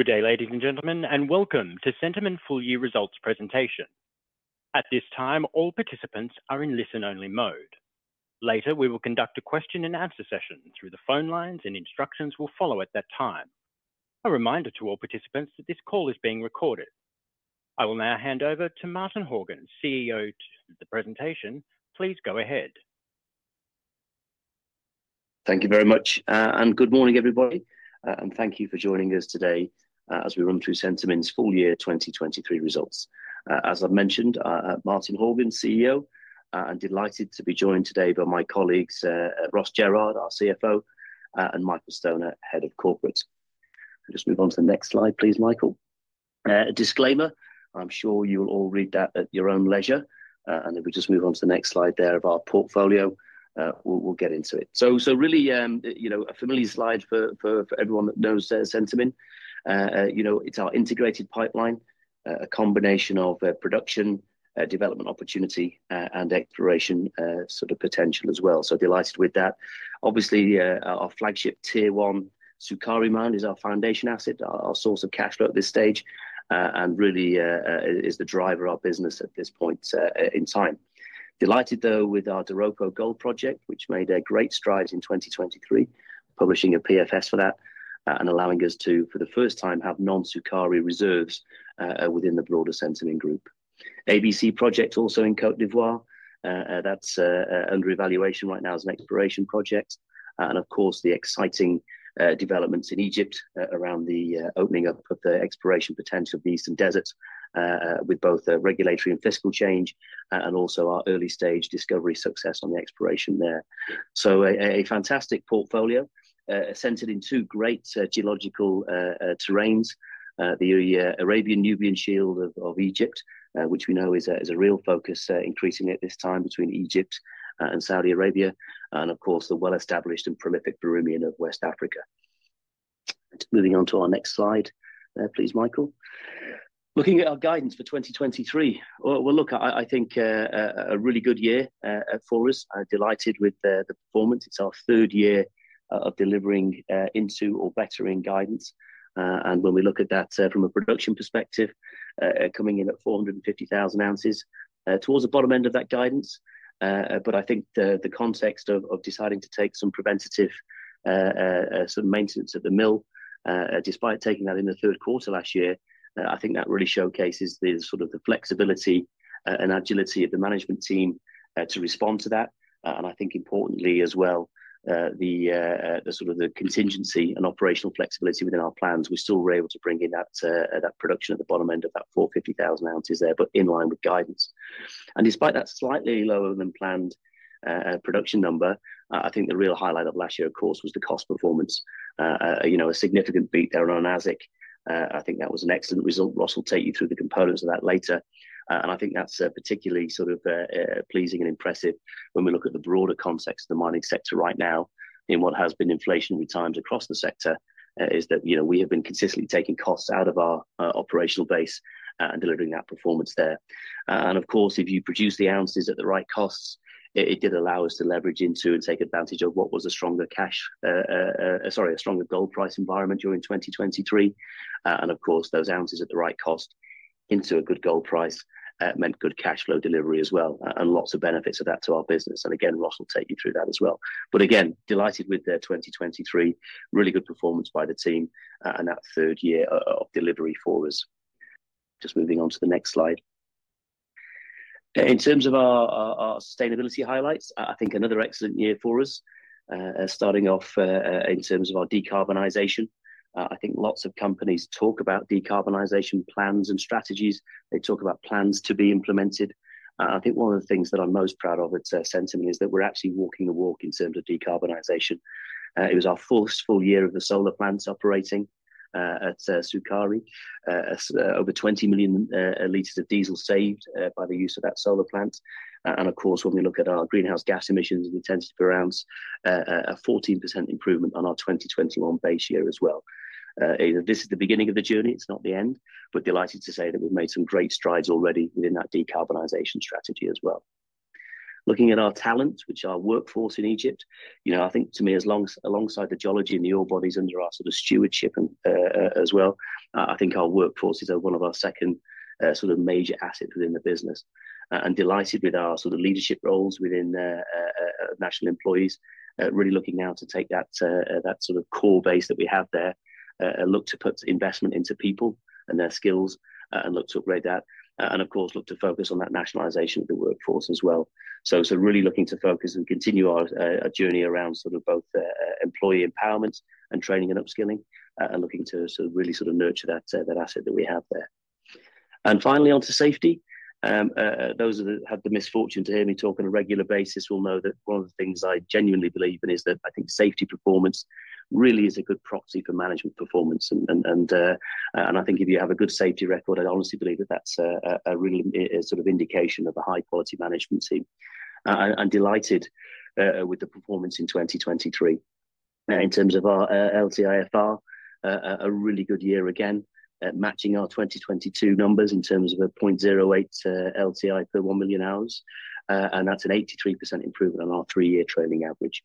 Good day, ladies and gentlemen, and welcome to Centamin Full Year Results presentation. At this time, all participants are in listen-only mode. Later, we will conduct a question-and-answer session through the phone lines, and instructions will follow at that time. A reminder to all participants that this call is being recorded. I will now hand over to Martin Horgan, CEO of the presentation. Please go ahead. Thank you very much, and good morning, everybody. Thank you for joining us today as we run through Centamin's Full Year 2023 results. As I've mentioned, Martin Horgan, CEO, and delighted to be joined today by my colleagues Ross Jerrard, our CFO, and Michael Stoner, Head of Corporate. Just move on to the next slide, please, Michael. Disclaimer: I'm sure you will all read that at your own leisure, and then we'll just move on to the next slide there of our portfolio. We'll get into it. So really, a familiar slide for everyone that knows Centamin. It's our integrated pipeline, a combination of production, development opportunity, and exploration sort of potential as well. So delighted with that. Obviously, our flagship Tier 1 Sukari Mine is our foundation asset, our source of cash flow at this stage, and really is the driver of our business at this point in time. Delighted, though, with our Doropo Gold project, which made great strides in 2023, publishing a PFS for that, and allowing us to, for the first time, have non-Sukari reserves within the broader Centamin Group. ABC project also in Côte d'Ivoire. That's under evaluation right now as an exploration project. Of course, the exciting developments in Egypt around the opening up of the exploration potential of the Eastern Desert with both regulatory and fiscal change, and also our early-stage discovery success on the exploration there. So a fantastic portfolio centered in two great geological terrains: the Arabian-Nubian Shield of Egypt, which we know is a real focus increasingly at this time between Egypt and Saudi Arabia, and of course, the well-established and prolific Birimian of West Africa. Moving on to our next slide, please, Michael. Looking at our guidance for 2023, we'll look at, I think, a really good year for us. Delighted with the performance. It's our third year of delivering into or bettering guidance. When we look at that from a production perspective, coming in at 450,000 ounces towards the bottom end of that guidance. But I think the context of deciding to take some preventative sort of maintenance at the mill, despite taking that in the third quarter last year, I think that really showcases sort of the flexibility and agility of the management team to respond to that. I think, importantly as well, the sort of contingency and operational flexibility within our plans. We still were able to bring in that production at the bottom end of that 450,000 ounces there, but in line with guidance. Despite that slightly lower than planned production number, I think the real highlight of last year, of course, was the cost performance, a significant beat there on AISC. I think that was an excellent result. Ross will take you through the components of that later. I think that's particularly sort of pleasing and impressive when we look at the broader context of the mining sector right now. What has been inflationary times across the sector is that we have been consistently taking costs out of our operational base and delivering that performance there. Of course, if you produce the ounces at the right costs, it did allow us to leverage into and take advantage of what was a stronger cash—sorry, a stronger gold price environment during 2023. Of course, those ounces at the right cost into a good gold price meant good cash flow delivery as well, and lots of benefits of that to our business. And again, Ross will take you through that as well. But again, delighted with 2023, really good performance by the team, and that third year of delivery for us. Just moving on to the next slide. In terms of our sustainability highlights, I think another excellent year for us, starting off in terms of our decarbonization. I think lots of companies talk about decarbonization plans and strategies. They talk about plans to be implemented. I think one of the things that I'm most proud of at Centamin is that we're actually walking the walk in terms of decarbonization. It was our fourth full year of the solar plants operating at Sukari. Over 20 million liters of diesel saved by the use of that solar plant. And of course, when we look at our greenhouse gas emissions and intensity per ounce, a 14% improvement on our 2021 base year as well. This is the beginning of the journey. It's not the end. But delighted to say that we've made some great strides already within that decarbonization strategy as well. Looking at our talent, which is our workforce in Egypt, I think to me, alongside the geology and the ore bodies under our sort of stewardship as well, I think our workforce is one of our second sort of major assets within the business. Delighted with our sort of leadership roles within national employees, really looking now to take that sort of core base that we have there, look to put investment into people and their skills, and look to upgrade that. Of course, look to focus on that nationalization of the workforce as well. Really looking to focus and continue our journey around sort of both employee empowerment and training and upskilling, and looking to really sort of nurture that asset that we have there. Finally, onto safety. Those who have the misfortune to hear me talk on a regular basis will know that one of the things I genuinely believe in is that I think safety performance really is a good proxy for management performance. I think if you have a good safety record, I honestly believe that that's a real sort of indication of a high-quality management team. Delighted with the performance in 2023. In terms of our LTIFR, a really good year again, matching our 2022 numbers in terms of a 0.08 LTI per 1 million hours. That's an 83% improvement on our three-year trailing average.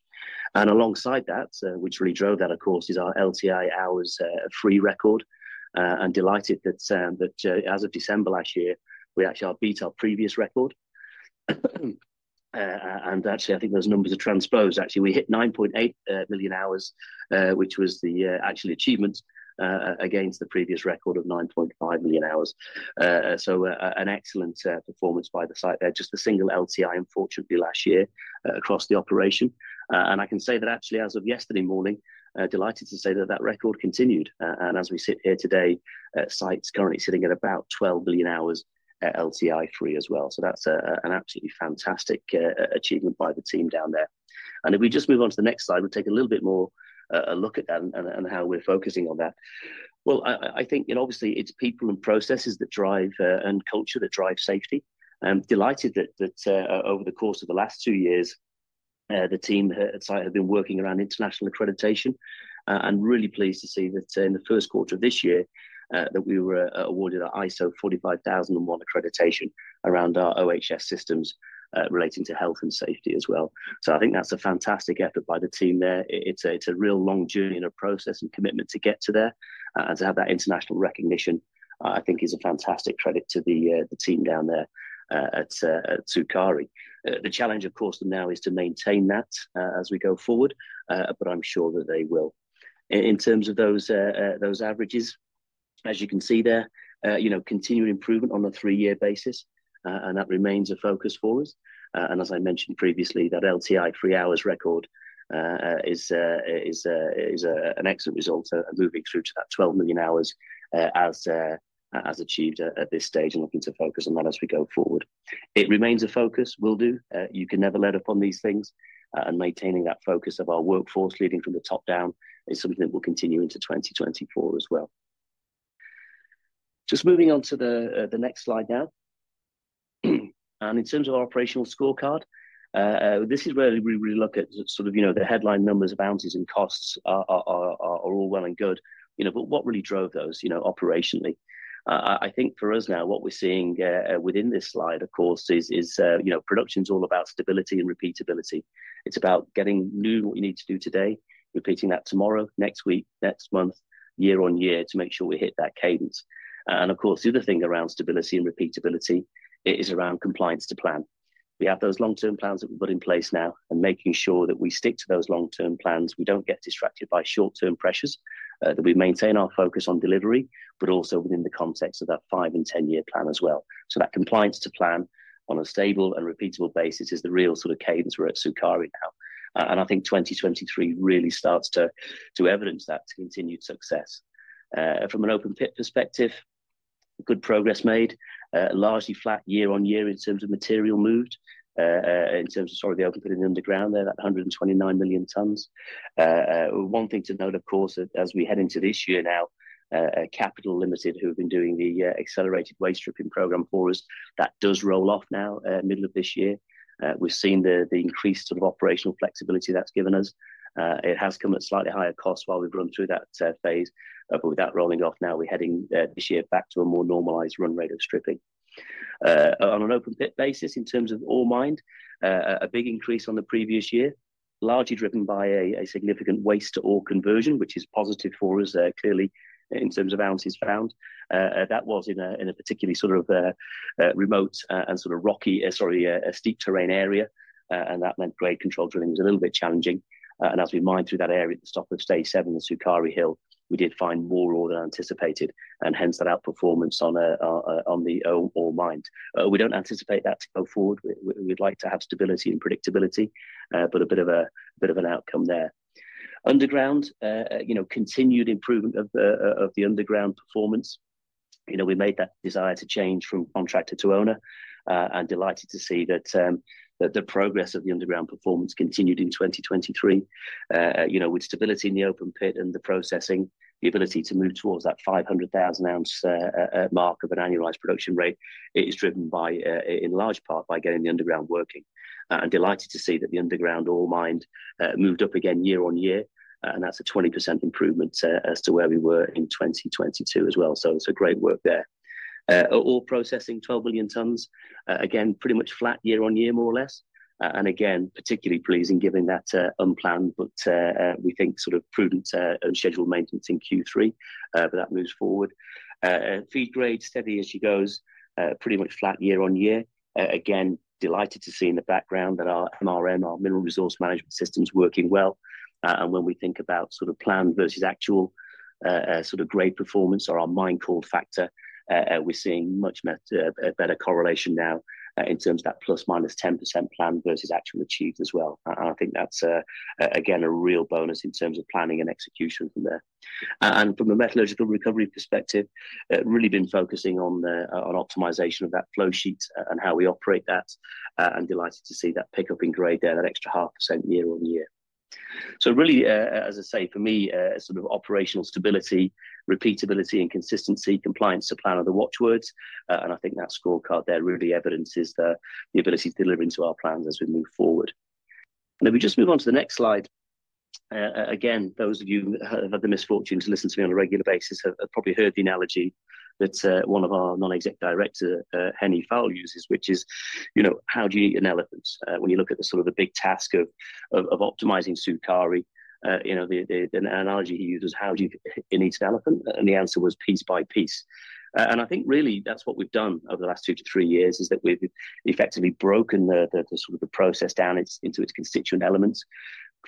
Alongside that, which really drove that, of course, is our LTI-free hours record. Delighted that as of December last year, we actually beat our previous record. Actually, I think those numbers are transposed. Actually, we hit 9.8 million hours, which was actually an achievement against the previous record of 9.5 million hours. So an excellent performance by the site there, just a single LTI, unfortunately, last year across the operation. I can say that actually, as of yesterday morning, delighted to say that that record continued. As we sit here today, site's currently sitting at about 12 million hours LTI free as well. So that's an absolutely fantastic achievement by the team down there. If we just move on to the next slide, we'll take a little bit more a look at that and how we're focusing on that. Well, I think obviously, it's people and processes that drive and culture that drive safety. Delighted that over the course of the last two years, the team at site have been working around international accreditation. Really pleased to see that in the first quarter of this year, that we were awarded our ISO 45001 accreditation around our OHS systems relating to health and safety as well. So I think that's a fantastic effort by the team there. It's a real long journey and a process and commitment to get to there. And to have that international recognition, I think, is a fantastic credit to the team down there at Sukari. The challenge, of course, now is to maintain that as we go forward, but I'm sure that they will. In terms of those averages, as you can see there, continuing improvement on a three-year basis. And that remains a focus for us. And as I mentioned previously, that LTI free hours record is an excellent result, moving through to that 12 million hours as achieved at this stage and looking to focus on that as we go forward. It remains a focus. Will do. You can never let up on these things. And maintaining that focus of our workforce leading from the top down is something that will continue into 2024 as well. Just moving on to the next slide now. In terms of our operational scorecard, this is where we really look at sort of the headline numbers of ounces and costs are all well and good. But what really drove those operationally? I think for us now, what we're seeing within this slide, of course, is production's all about stability and repeatability. It's about getting new what you need to do today, repeating that tomorrow, next week, next month, year on year, to make sure we hit that cadence. Of course, the other thing around stability and repeatability is around compliance to plan. We have those long-term plans that we've put in place now, and making sure that we stick to those long-term plans, we don't get distracted by short-term pressures, that we maintain our focus on delivery, but also within the context of that 5- and 10-year plan as well. So that compliance to plan on a stable and repeatable basis is the real sort of cadence we're at Sukari now. And I think 2023 really starts to evidence that continued success. From an open pit perspective, good progress made, largely flat year-over-year in terms of material moved, in terms of, sorry, the open pit in the underground there, that 129 million tonnes. One thing to note, of course, as we head into this year now, Capital Limited, who have been doing the accelerated waste stripping program for us, that does roll off now middle of this year. We've seen the increased sort of operational flexibility that's given us. It has come at slightly higher costs while we've run through that phase. But with that rolling off now, we're heading this year back to a more normalized run rate of stripping. On an open pit basis, in terms of ore mined, a big increase on the previous year, largely driven by a significant waste-to-ore conversion, which is positive for us clearly in terms of ounces found. That was in a particularly sort of remote and sort of rocky, sorry, a steep terrain area. And that meant grade control drilling was a little bit challenging. And as we mined through that area at the stop of Stage 7 in Sukari Hill, we did find more ore than anticipated, and hence that outperformance on the ore mined. We don't anticipate that to go forward. We'd like to have stability and predictability, but a bit of an outcome there. Underground, continued improvement of the underground performance. We made that desire to change from contractor to owner, and delighted to see that the progress of the underground performance continued in 2023 with stability in the open pit and the processing, the ability to move towards that 500,000 ounce mark of an annualized production rate. It is driven in large part by getting the underground working. And delighted to see that the underground ore mined moved up again year-over-year. And that's a 20% improvement as to where we were in 2022 as well. So it's a great work there. Ore processing, 12 million tonnes. Again, pretty much flat year-over-year, more or less. And again, particularly pleasing given that unplanned, but we think sort of prudent scheduled maintenance in Q3, but that moves forward. Feed grade steady as she goes, pretty much flat year-on-year. Again, delighted to see in the background that our MRM, our mineral resource management systems, working well. And when we think about sort of planned versus actual sort of grade performance or our mine-call factor, we're seeing much better correlation now in terms of that ±10% planned versus actual achieved as well. And I think that's, again, a real bonus in terms of planning and execution from there. And from a metallurgical recovery perspective, really been focusing on optimization of that flow sheet and how we operate that. And delighted to see that pickup in grade there, that extra 0.5% year-on-year. So really, as I say, for me, sort of operational stability, repeatability, and consistency, compliance to plan are the watchwords. I think that scorecard there really evidences the ability to deliver into our plans as we move forward. If we just move on to the next slide, again, those of you who have had the misfortune to listen to me on a regular basis have probably heard the analogy that one of our non-exec directors, Hennie Faul, uses, which is, "How do you eat an elephant?" When you look at the sort of the big task of optimizing Sukari, the analogy he uses is, "How do you eat an elephant?" The answer was, "Piece by piece." I think really that's what we've done over the last 2-3 years, is that we've effectively broken sort of the process down into its constituent elements,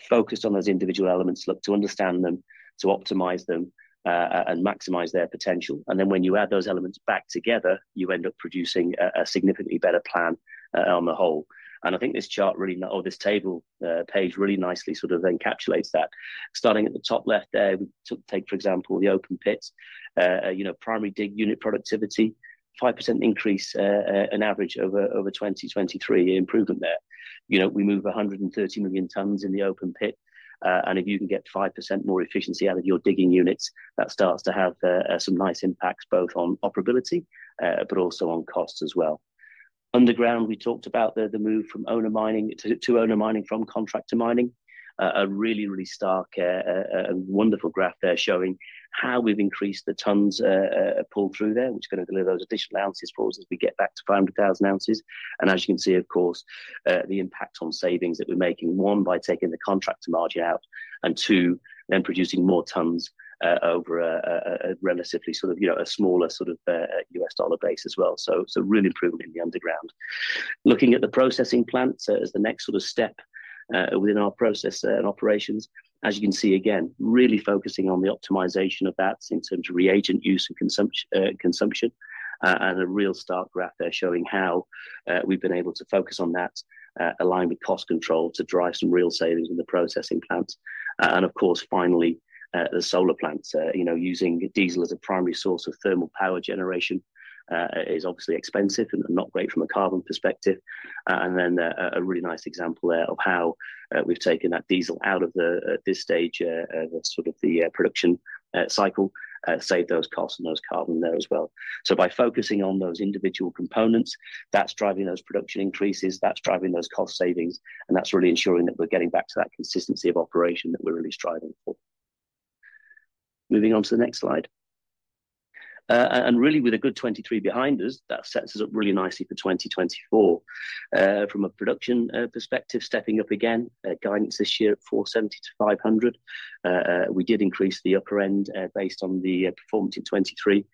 focused on those individual elements, looked to understand them, to optimize them, and maximise their potential. Then when you add those elements back together, you end up producing a significantly better plan on the whole. I think this chart really, or this table page really nicely sort of encapsulates that. Starting at the top left there, we take, for example, the open pits, primary dig unit productivity, 5% increase on average over 2023, improvement there. We move 130 million tonnes in the open pit. If you can get 5% more efficiency out of your digging units, that starts to have some nice impacts both on operability but also on cost as well. Underground, we talked about the move from contractor mining to owner mining. A really, really stark and wonderful graph there showing how we've increased the tonnes pulled through there, which is going to deliver those additional ounces for us as we get back to 500,000 ounces. And as you can see, of course, the impact on savings that we're making, one, by taking the contractor margin out, and two, then producing more tonnes over a relatively sort of a smaller sort of U.S. dollar base as well. So real improvement in the underground. Looking at the processing plants as the next sort of step within our process and operations, as you can see, again, really focusing on the optimization of that in terms of reagent use and consumption. And a real stark graph there showing how we've been able to focus on that, align with cost control to drive some real savings in the processing plants. And of course, finally, the solar plants. Using diesel as a primary source of thermal power generation is obviously expensive and not great from a carbon perspective. Then a really nice example there of how we've taken that diesel out of this stage of sort of the production cycle, saved those costs and those carbon there as well. So by focusing on those individual components, that's driving those production increases, that's driving those cost savings, and that's really ensuring that we're getting back to that consistency of operation that we're really striving for. Moving on to the next slide. Really, with a good 2023 behind us, that sets us up really nicely for 2024. From a production perspective, stepping up again, guidance this year at 470-500. We did increase the upper end based on the performance in 2023,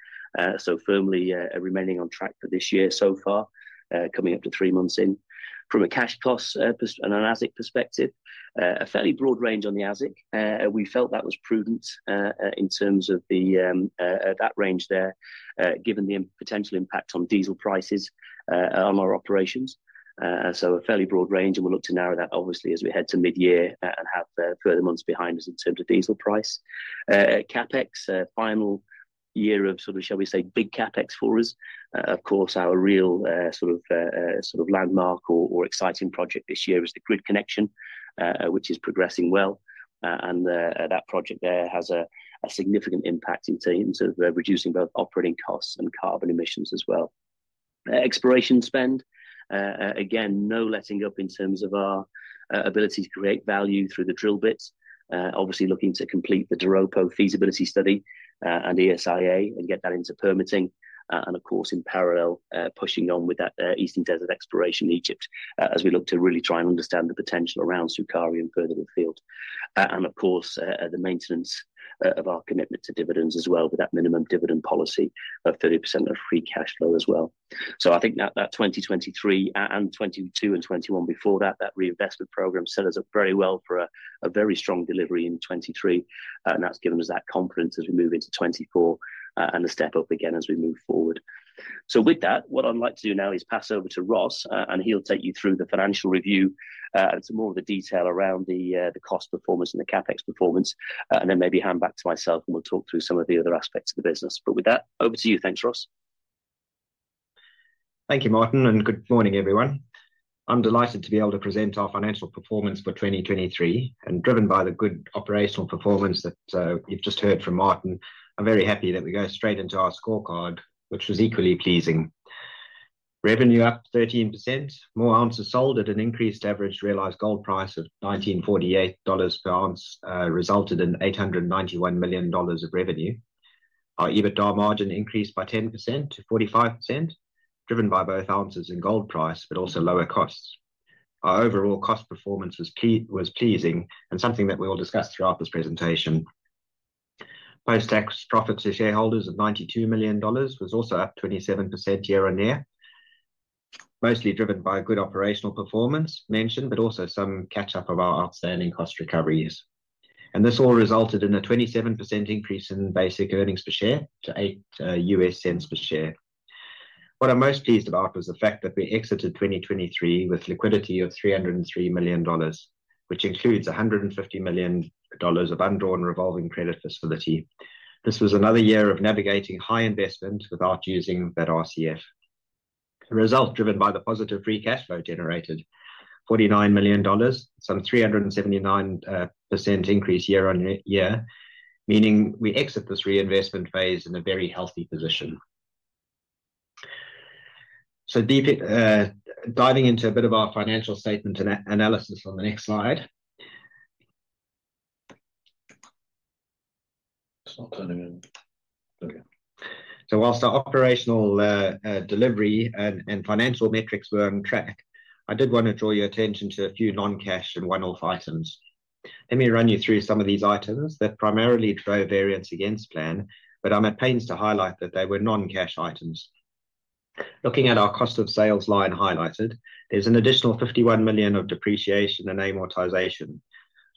so firmly remaining on track for this year so far, coming up to three months in. From a cash cost and an AISC perspective, a fairly broad range on the AISC. We felt that was prudent in terms of that range there, given the potential impact on diesel prices on our operations. So a fairly broad range. And we'll look to narrow that, obviously, as we head to midyear and have further months behind us in terms of diesel price. CapEx, final year of sort of, shall we say, big CapEx for us. Of course, our real sort of landmark or exciting project this year is the grid connection, which is progressing well. And that project there has a significant impact in terms of reducing both operating costs and carbon emissions as well. Exploration spend, again, no letting up in terms of our ability to create value through the drill bits. Obviously, looking to complete the Doropo feasibility study and ESIA and get that into permitting. And of course, in parallel, pushing on with that Eastern Desert exploration in Egypt as we look to really try and understand the potential around Sukari and further in the field. And of course, the maintenance of our commitment to dividends as well with that minimum dividend policy of 30% of free cash flow as well. So I think that 2023 and 2022 and 2021 before that, that reinvestment programme set us up very well for a very strong delivery in 2023. And that's given us that confidence as we move into 2024 and the step up again as we move forward. So with that, what I'd like to do now is pass over to Ross, and he'll take you through the financial review to more of the detail around the cost performance and the CapEx performance. And then maybe hand back to myself, and we'll talk through some of the other aspects of the business. But with that, over to you. Thanks, Ross. Thank you, Martin. And good morning, everyone. I'm delighted to be able to present our financial performance for 2023. And driven by the good operational performance that you've just heard from Martin, I'm very happy that we go straight into our scorecard, which was equally pleasing. Revenue up 13%, more ounces sold at an increased average realized gold price of $1,948 per ounce resulted in $891 million of revenue. Our EBITDA margin increased by 10% to 45%, driven by both ounces in gold price but also lower costs. Our overall cost performance was pleasing and something that we will discuss throughout this presentation. Post-tax profits to shareholders of $92 million was also up 27% year-on-year, mostly driven by good operational performance mentioned but also some catch-up of our outstanding cost recoveries. This all resulted in a 27% increase in basic earnings per share to $0.08 per share. What I'm most pleased about was the fact that we exited 2023 with liquidity of $303 million, which includes $150 million of undrawn revolving credit facility. This was another year of navigating high investment without using that RCF. A result driven by the positive free cash flow generated, $49 million, some 379% increase year-on-year, meaning we exit this reinvestment phase in a very healthy position. Diving into a bit of our financial statement analysis on the next slide. It's not turning on. Okay. So while our operational delivery and financial metrics were on track, I did want to draw your attention to a few non-cash and one-off items. Let me run you through some of these items that primarily drove variance against plan, but I'm at pains to highlight that they were non-cash items. Looking at our cost of sales line highlighted, there's an additional $51 million of depreciation and amortization,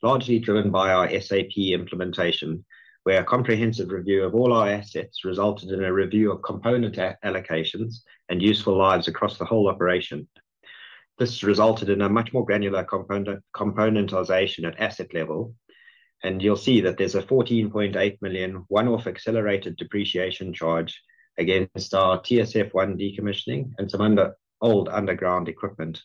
largely driven by our SAP implementation, where a comprehensive review of all our assets resulted in a review of component allocations and useful lives across the whole operation. This resulted in a much more granular componentization at asset level. And you'll see that there's a $14.8 million one-off accelerated depreciation charge against our TSF1 decommissioning and some old underground equipment.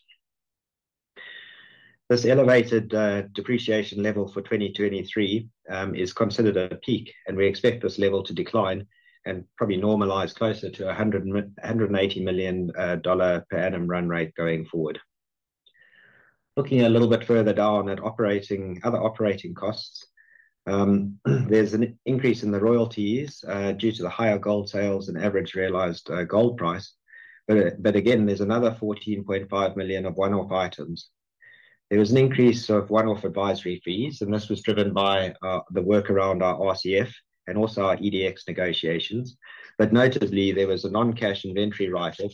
This elevated depreciation level for 2023 is considered a peak, and we expect this level to decline and probably normalize closer to a $180 million per annum run rate going forward. Looking a little bit further down at other operating costs, there's an increase in the royalties due to the higher gold sales and average realized gold price. But again, there's another $14.5 million of one-off items. There was an increase of one-off advisory fees, and this was driven by the work around our RCF and also our EDX negotiations. But notably, there was a non-cash inventory write-off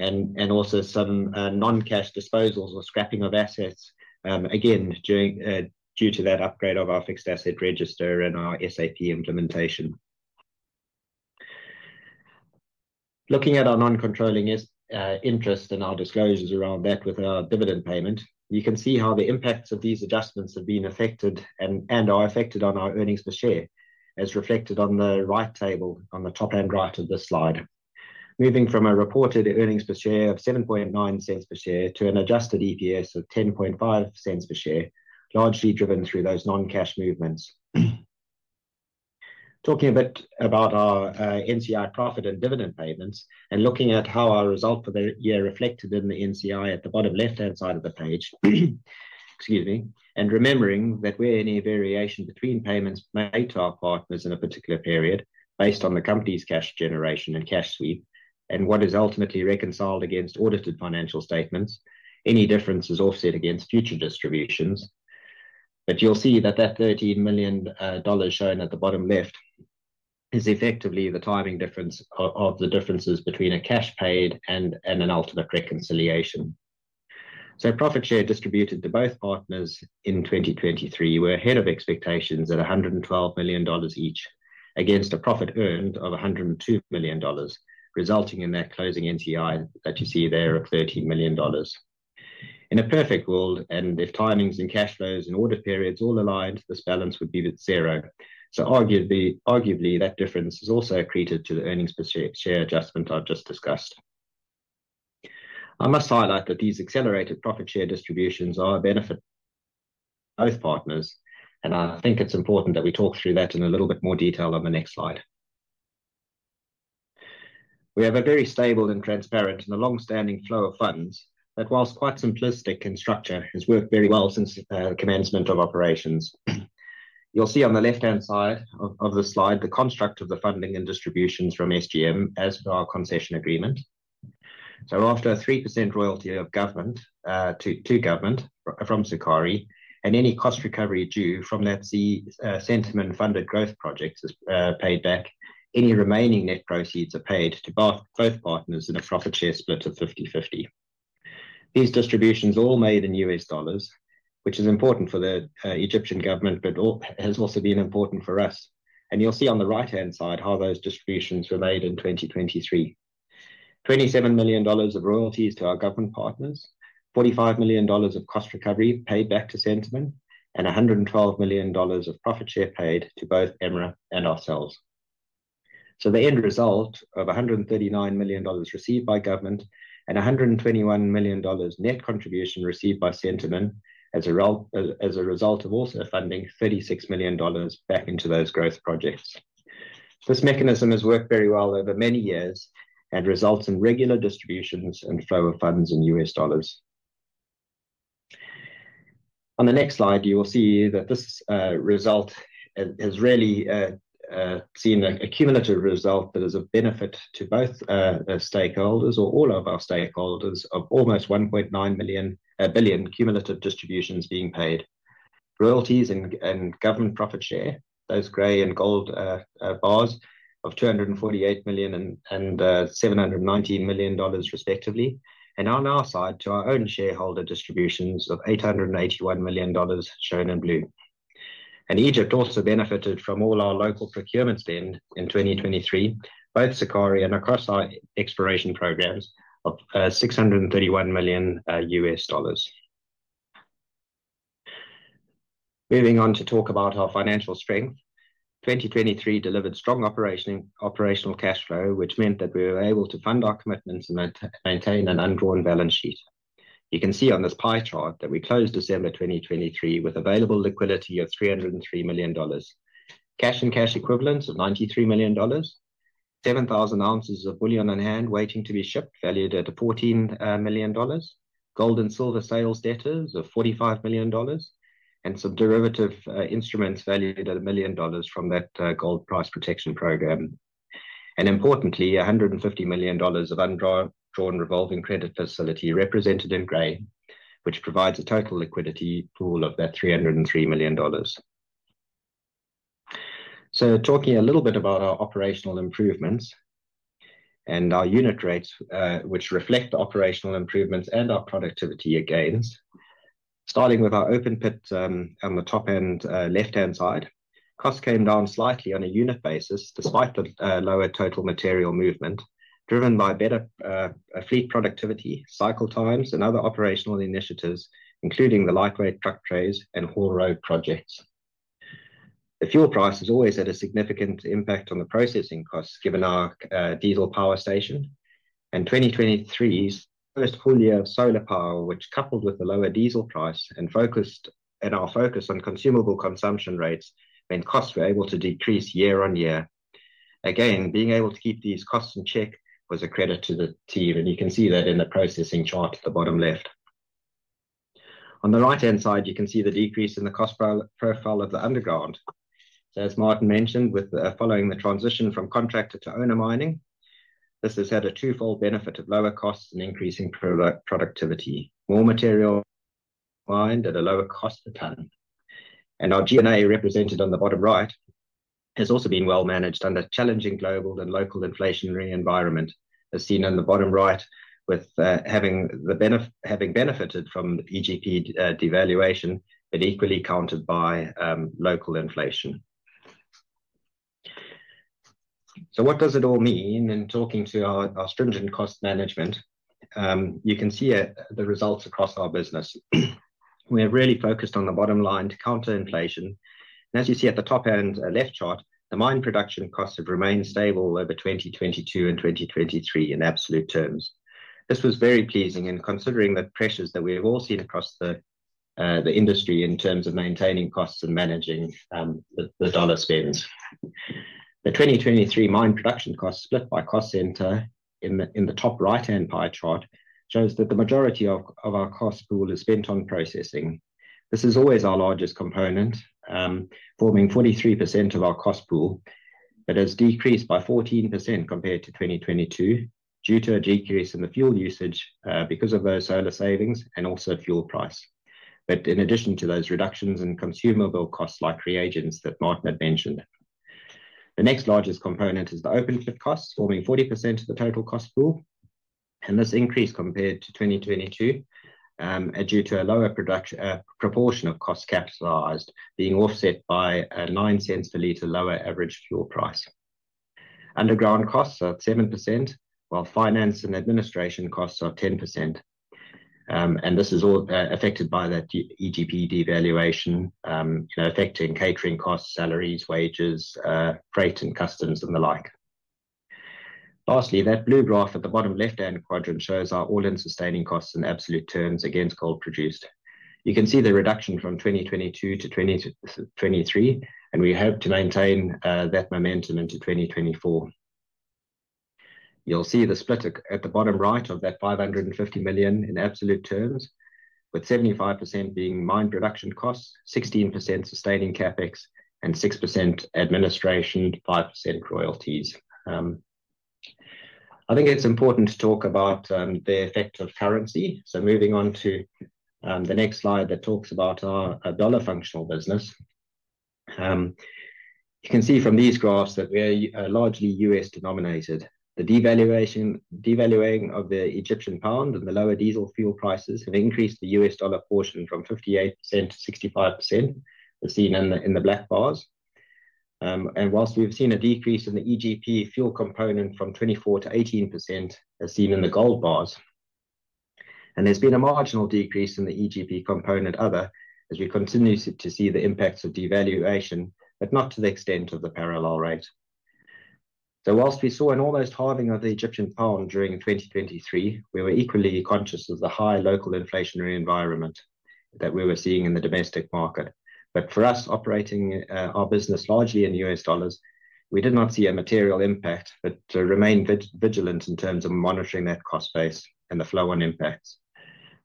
and also some non-cash disposals or scrapping of assets, again, due to that upgrade of our fixed asset register and our SAP implementation. Looking at our non-controlling interest and our disclosures around that with our dividend payment, you can see how the impacts of these adjustments have been affected and are affected on our earnings per share as reflected on the right table on the top and right of this slide. Moving from a reported earnings per share of $0.079 per share to an adjusted EPS of $0.105 per share, largely driven through those non-cash movements. Talking a bit about our NCI profit and dividend payments and looking at how our result for that year reflected in the NCI at the bottom left-hand side of the page, excuse me, and remembering that where any variation between payments made to our partners in a particular period based on the company's cash generation and cash sweep and what is ultimately reconciled against audited financial statements, any difference is offset against future distributions. But you'll see that that $13 million shown at the bottom left is effectively the timing difference of the differences between a cash paid and an ultimate reconciliation. So profit share distributed to both partners in 2023 were ahead of expectations at $112 million each against a profit earned of $102 million, resulting in that closing NCI that you see there of $13 million. In a perfect world, and if timings and cash flows and audit periods all aligned, this balance would be zero. So arguably, that difference is also accreted to the earnings per share adjustment I've just discussed. I must highlight that these accelerated profit share distributions are a benefit to both partners, and I think it's important that we talk through that in a little bit more detail on the next slide. We have a very stable and transparent and longstanding flow of funds that, while quite simplistic in structure, has worked very well since commencement of operations. You'll see on the left-hand side of the slide the construct of the funding and distributions from SGM as per our concession agreement. After a 3% royalty, government to government, from Sukari and any cost recovery due from that Centamin-funded growth project paid back, any remaining net proceeds are paid to both partners in a profit share split of 50/50. These distributions are all made in U.S. dollars, which is important for the Egyptian government but has also been important for us. You'll see on the right-hand side how those distributions were made in 2023. $27 million of royalties to our government partners, $45 million of cost recovery paid back to Centamin, and $112 million of profit share paid to both EMRA and ourselves. So the end result of $139 million received by government and $121 million net contribution received by Centamin as a result of also funding $36 million back into those growth projects. This mechanism has worked very well over many years and results in regular distributions and flow of funds in US dollars. On the next slide, you will see that this result has really seen a cumulative result that is of benefit to both stakeholders or all of our stakeholders of almost $1.9 billion cumulative distributions being paid. Royalties and government profit share, those grey and gold bars of $248 million and $719 million, respectively. And on our side, to our own shareholder distributions of $881 million shown in blue. Egypt also benefited from all our local procurement spend in 2023, both Sukari and across our exploration programs of $631 million. Moving on to talk about our financial strength, 2023 delivered strong operational cash flow, which meant that we were able to fund our commitments and maintain an undrawn balance sheet. You can see on this pie chart that we closed December 2023 with available liquidity of $303 million, cash and cash equivalents of $93 million, 7,000 ounces of bullion on hand waiting to be shipped valued at $14 million, gold and silver sales debtors of $45 million, and some derivative instruments valued at $1 million from that gold price protection program. Importantly, $150 million of undrawn revolving credit facility represented in grey, which provides a total liquidity pool of that $303 million. Talking a little bit about our operational improvements and our unit rates, which reflect the operational improvements and our productivity gains. Starting with our open pit on the top and left-hand side, costs came down slightly on a unit basis despite the lower total material movement, driven by better fleet productivity, cycle times, and other operational initiatives, including the lightweight truck trays and haul road projects. The fuel price is always at a significant impact on the processing costs given our diesel power station. 2023's first full year of solar power, which coupled with the lower diesel price and our focus on consumable consumption rates, meant costs were able to decrease year on year. Again, being able to keep these costs in check was a credit to the team. You can see that in the processing chart at the bottom left. On the right-hand side, you can see the decrease in the cost profile of the underground. So as Martin mentioned, following the transition from contractor to owner mining, this has had a twofold benefit of lower costs and increasing productivity. More material mined at a lower cost per tonne. And our G&A represented on the bottom right has also been well managed under challenging global and local inflationary environment, as seen on the bottom right, with having benefited from EGP devaluation but equally countered by local inflation. So what does it all mean? In talking to our stringent cost management, you can see the results across our business. We have really focused on the bottom line to counter inflation. And as you see at the top and left chart, the mine production costs have remained stable over 2022 and 2023 in absolute terms. This was very pleasing in considering the pressures that we have all seen across the industry in terms of maintaining costs and managing the dollar spends. The 2023 mine production cost split by cost center in the top right-hand pie chart shows that the majority of our cost pool is spent on processing. This is always our largest component, forming 43% of our cost pool, but has decreased by 14% compared to 2022 due to a decrease in the fuel usage because of those solar savings and also fuel price. But in addition to those reductions in consumable costs like reagents that Martin had mentioned. The next largest component is the open pit costs, forming 40% of the total cost pool. This increase compared to 2022 is due to a lower proportion of costs capitalized being offset by a $0.09 per liter lower average fuel price. Underground costs are at 7%, while finance and administration costs are 10%. This is all affected by that EGP devaluation, affecting catering costs, salaries, wages, freight and customs, and the like. Lastly, that blue graph at the bottom left-hand quadrant shows our all-in sustaining costs in absolute terms against gold produced. You can see the reduction from 2022 to 2023, and we hope to maintain that momentum into 2024. You'll see the split at the bottom right of that $550 million in absolute terms, with 75% being mine production costs, 16% sustaining CapEx, and 6% administration, 5% royalties. I think it's important to talk about the effect of currency. So moving on to the next slide that talks about our dollar functional business. You can see from these graphs that we're largely U.S. denominated. The devaluing of the Egyptian pound and the lower diesel fuel prices have increased the US dollar portion from 58% to 65%, as seen in the black bars. While we've seen a decrease in the EGP fuel component from 24% to 18%, as seen in the gold bars. There's been a marginal decrease in the EGP component other as we continue to see the impacts of devaluation, but not to the extent of the parallel rate. While we saw an almost halving of the Egyptian pound during 2023, we were equally conscious of the high local inflationary environment that we were seeing in the domestic market. For us, operating our business largely in US dollars, we did not see a material impact but remained vigilant in terms of monitoring that cost base and the flow on impacts.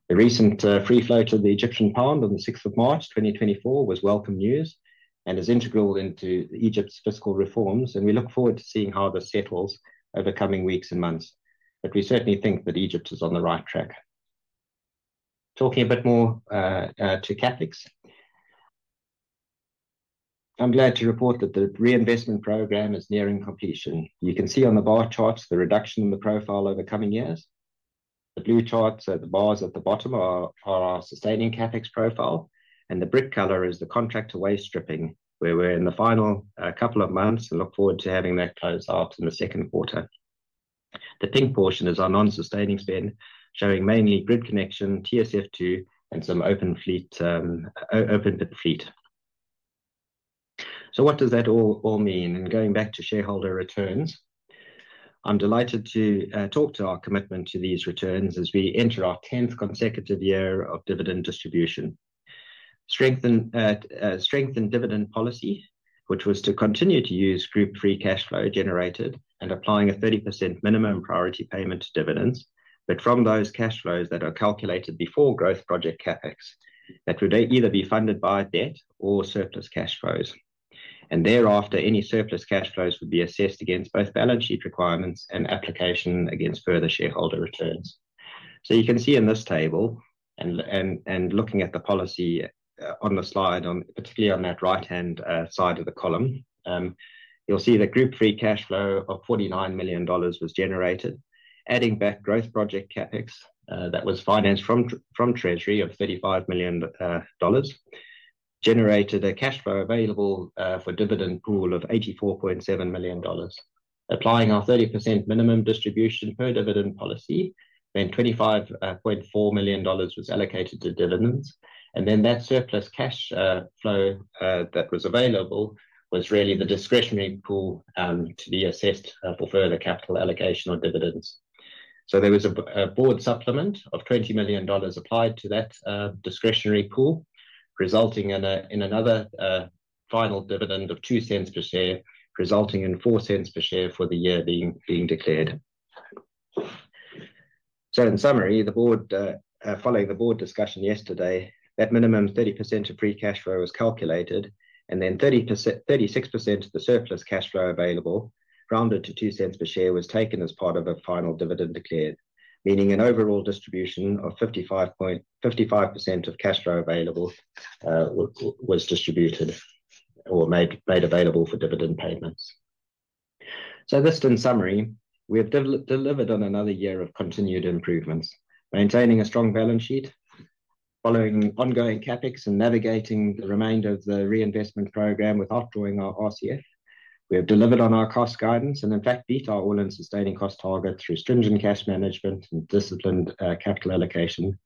The recent free float to the Egyptian pound on the 6th of March, 2024, was welcome news and is integral to Egypt's fiscal reforms. We look forward to seeing how this settles over coming weeks and months. We certainly think that Egypt is on the right track. Talking a bit more to CapEx. I'm glad to report that the reinvestment program is nearing completion. You can see on the bar charts the reduction in the profile over coming years. The blue charts, so the bars at the bottom, are our sustaining CapEx profile. The brick color is the contractor waste stripping where we're in the final couple of months and look forward to having that close out in the second quarter. The pink portion is our non-sustaining spend showing mainly grid connection, TSF2, and some open pit fleet. What does that all mean? Going back to shareholder returns, I'm delighted to talk to our commitment to these returns as we enter our 10th consecutive year of dividend distribution. Strengthened dividend policy, which was to continue to use group free cash flow generated and applying a 30% minimum priority payment to dividends. From those cash flows that are calculated before growth project CapEx, that would either be funded by debt or surplus cash flows. Thereafter, any surplus cash flows would be assessed against both balance sheet requirements and application against further shareholder returns. So you can see in this table and looking at the policy on the slide, particularly on that right-hand side of the column, you'll see that group free cash flow of $49 million was generated, adding back growth project CapEx that was financed from treasury of $35 million, generated a cash flow available for dividend pool of $84.7 million. Applying our 30% minimum distribution per dividend policy, then $25.4 million was allocated to dividends. Then that surplus cash flow that was available was really the discretionary pool to be assessed for further capital allocation or dividends. So there was a board supplement of $20 million applied to that discretionary pool, resulting in another final dividend of $0.02 per share, resulting in $0.04 per share for the year being declared. So in summary, following the board discussion yesterday, that minimum 30% of free cash flow was calculated. Then 36% of the surplus cash flow available, rounded to $0.02 per share, was taken as part of a final dividend declared, meaning an overall distribution of 55% of cash flow available was distributed or made available for dividend payments. So this in summary, we have delivered on another year of continued improvements, maintaining a strong balance sheet, following ongoing CapEx and navigating the remainder of the reinvestment program with off-drawing our RCF. We have delivered on our cost guidance and, in fact, beat our all-in sustaining cost target through stringent cash management and disciplined capital allocation.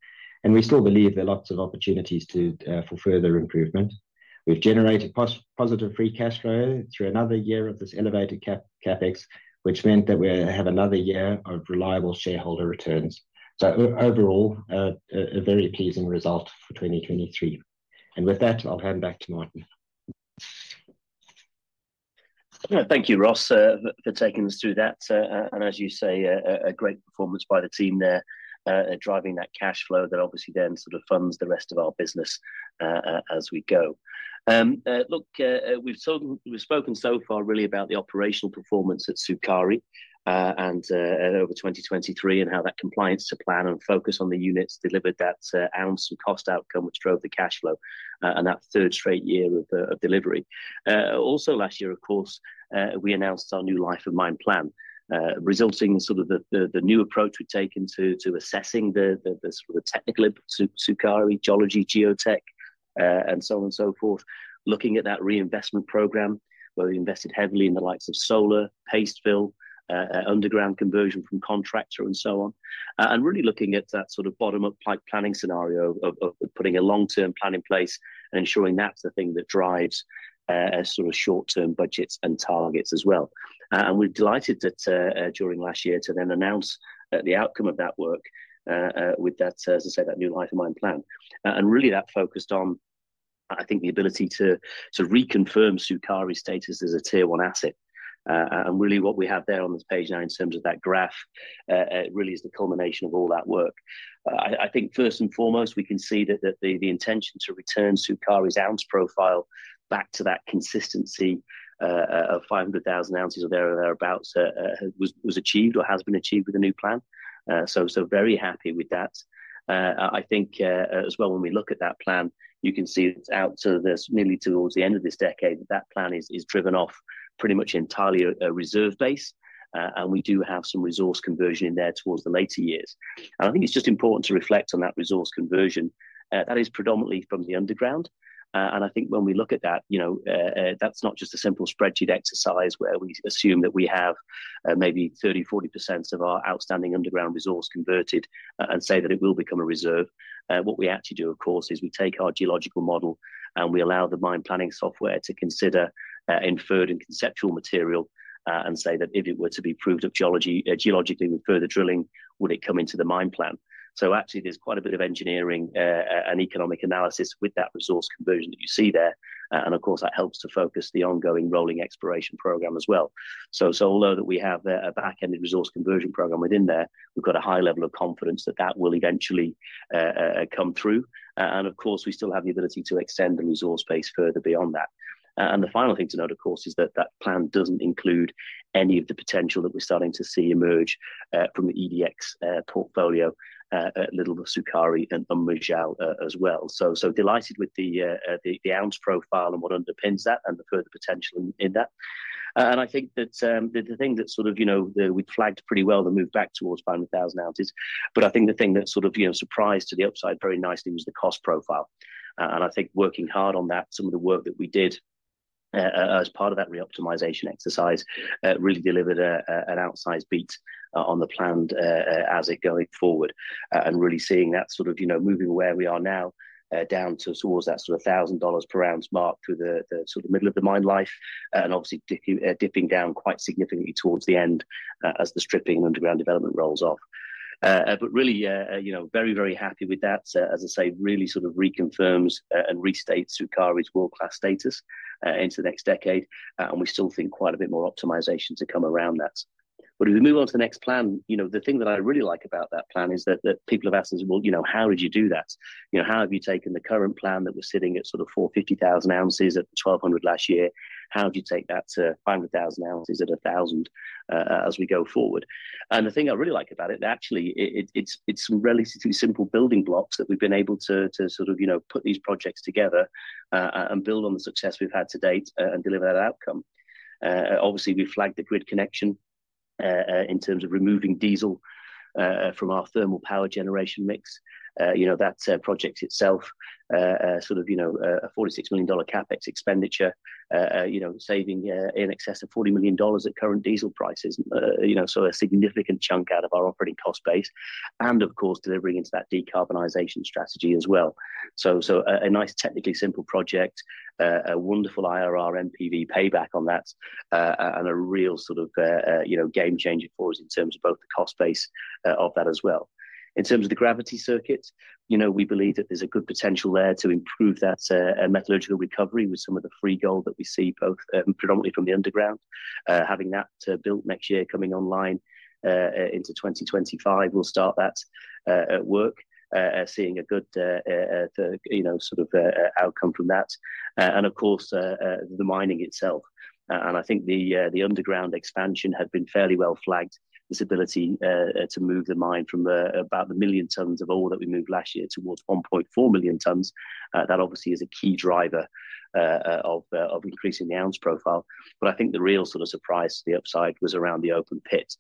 We still believe there are lots of opportunities for further improvement. We've generated positive free cash flow through another year of this elevated CapEx, which meant that we have another year of reliable shareholder returns. So overall, a very pleasing result for 2023. With that, I'll hand back to Martin. Thank you, Ross, for taking us through that. As you say, a great performance by the team there at driving that cash flow that obviously then sort of funds the rest of our business as we go. Look, we've spoken so far really about the operational performance at Sukari and over 2023 and how that compliance to plan and focus on the units delivered that ounce and cost outcome, which drove the cash flow and that third straight year of delivery. Also last year, of course, we announced our new life of mine plan, resulting in sort of the new approach we've taken to assessing the sort of the technical Sukari, geology, geotech, and so on and so forth, looking at that reinvestment program where we invested heavily in the likes of solar, paste fill, underground conversion from contractor, and so on. And really looking at that sort of bottom-up planning scenario of putting a long-term plan in place and ensuring that's the thing that drives sort of short-term budgets and targets as well. And we're delighted that during last year to then announce the outcome of that work with that, as I say, that new life of mine plan. And really that focused on, I think, the ability to reconfirm Sukari status as a Tier 1 asset. And really what we have there on this page now in terms of that graph, it really is the culmination of all that work. I think first and foremost, we can see that the intention to return Sukari's ounce profile back to that consistency of 500,000 ounces or thereabouts was achieved or has been achieved with the new plan. So very happy with that. I think as well when we look at that plan, you can see it's out to nearly towards the end of this decade that that plan is driven off pretty much entirely a reserve base. And we do have some resource conversion in there towards the later years. And I think it's just important to reflect on that resource conversion. That is predominantly from the underground. And I think when we look at that, that's not just a simple spreadsheet exercise where we assume that we have maybe 30%, 40% of our outstanding underground resource converted and say that it will become a reserve. What we actually do, of course, is we take our geological model and we allow the mine planning software to consider inferred and conceptual material and say that if it were to be proved up geologically with further drilling, would it come into the mine plan? So actually, there's quite a bit of engineering and economic analysis with that resource conversion that you see there. And of course, that helps to focus the ongoing rolling exploration program as well. So although that we have a back-ended resource conversion program within there, we've got a high level of confidence that that will eventually come through. And of course, we still have the ability to extend the resource base further beyond that. And the final thing to note, of course, is that that plan doesn't include any of the potential that we're starting to see emerge from the EDX portfolio, Little Sukari and Umm Majal as well. Delighted with the ounce profile and what underpins that and the further potential in that. And I think that the thing that sort of we'd flagged pretty well, the move back towards 500,000 ounces. But I think the thing that sort of surprised to the upside very nicely was the cost profile. And I think working hard on that, some of the work that we did as part of that reoptimization exercise really delivered an outsized beat on the planned asset going forward. And really seeing that sort of moving where we are now down towards that sort of $1,000 per ounce mark through the sort of middle of the mine life and obviously dipping down quite significantly towards the end as the stripping and underground development rolls off. But really very, very happy with that. As I say, really sort of reconfirms and restates Sukari's world-class status into the next decade. And we still think quite a bit more optimization to come around that. But if we move on to the next plan, the thing that I really like about that plan is that people have asked us, "Well, how did you do that? How have you taken the current plan that was sitting at sort of 450,000 ounces at $1,200 last year? How did you take that to 500,000 ounces at 1,000 as we go forward?" The thing I really like about it, actually, it's some relatively simple building blocks that we've been able to sort of put these projects together and build on the success we've had to date and deliver that outcome. Obviously, we flagged the grid connection in terms of removing diesel from our thermal power generation mix. That project itself, sort of a $46 million CapEx expenditure, saving in excess of $40 million at current diesel prices, so a significant chunk out of our operating cost base. Of course, delivering into that decarbonization strategy as well. So a nice technically simple project, a wonderful IRR/NPV payback on that, and a real sort of game changer for us in terms of both the cost base of that as well. In terms of the gravity circuit, we believe that there's a good potential there to improve that metallurgical recovery with some of the free gold that we see both predominantly from the underground. Having that built next year, coming online into 2025, we'll start that at work, seeing a good sort of outcome from that. Of course, the mining itself. I think the underground expansion had been fairly well flagged, this ability to move the mine from about 1 million tonnes of ore that we moved last year towards 1.4 million tonnes. That obviously is a key driver of increasing the ounce profile. But I think the real sort of surprise to the upside was around the open pit.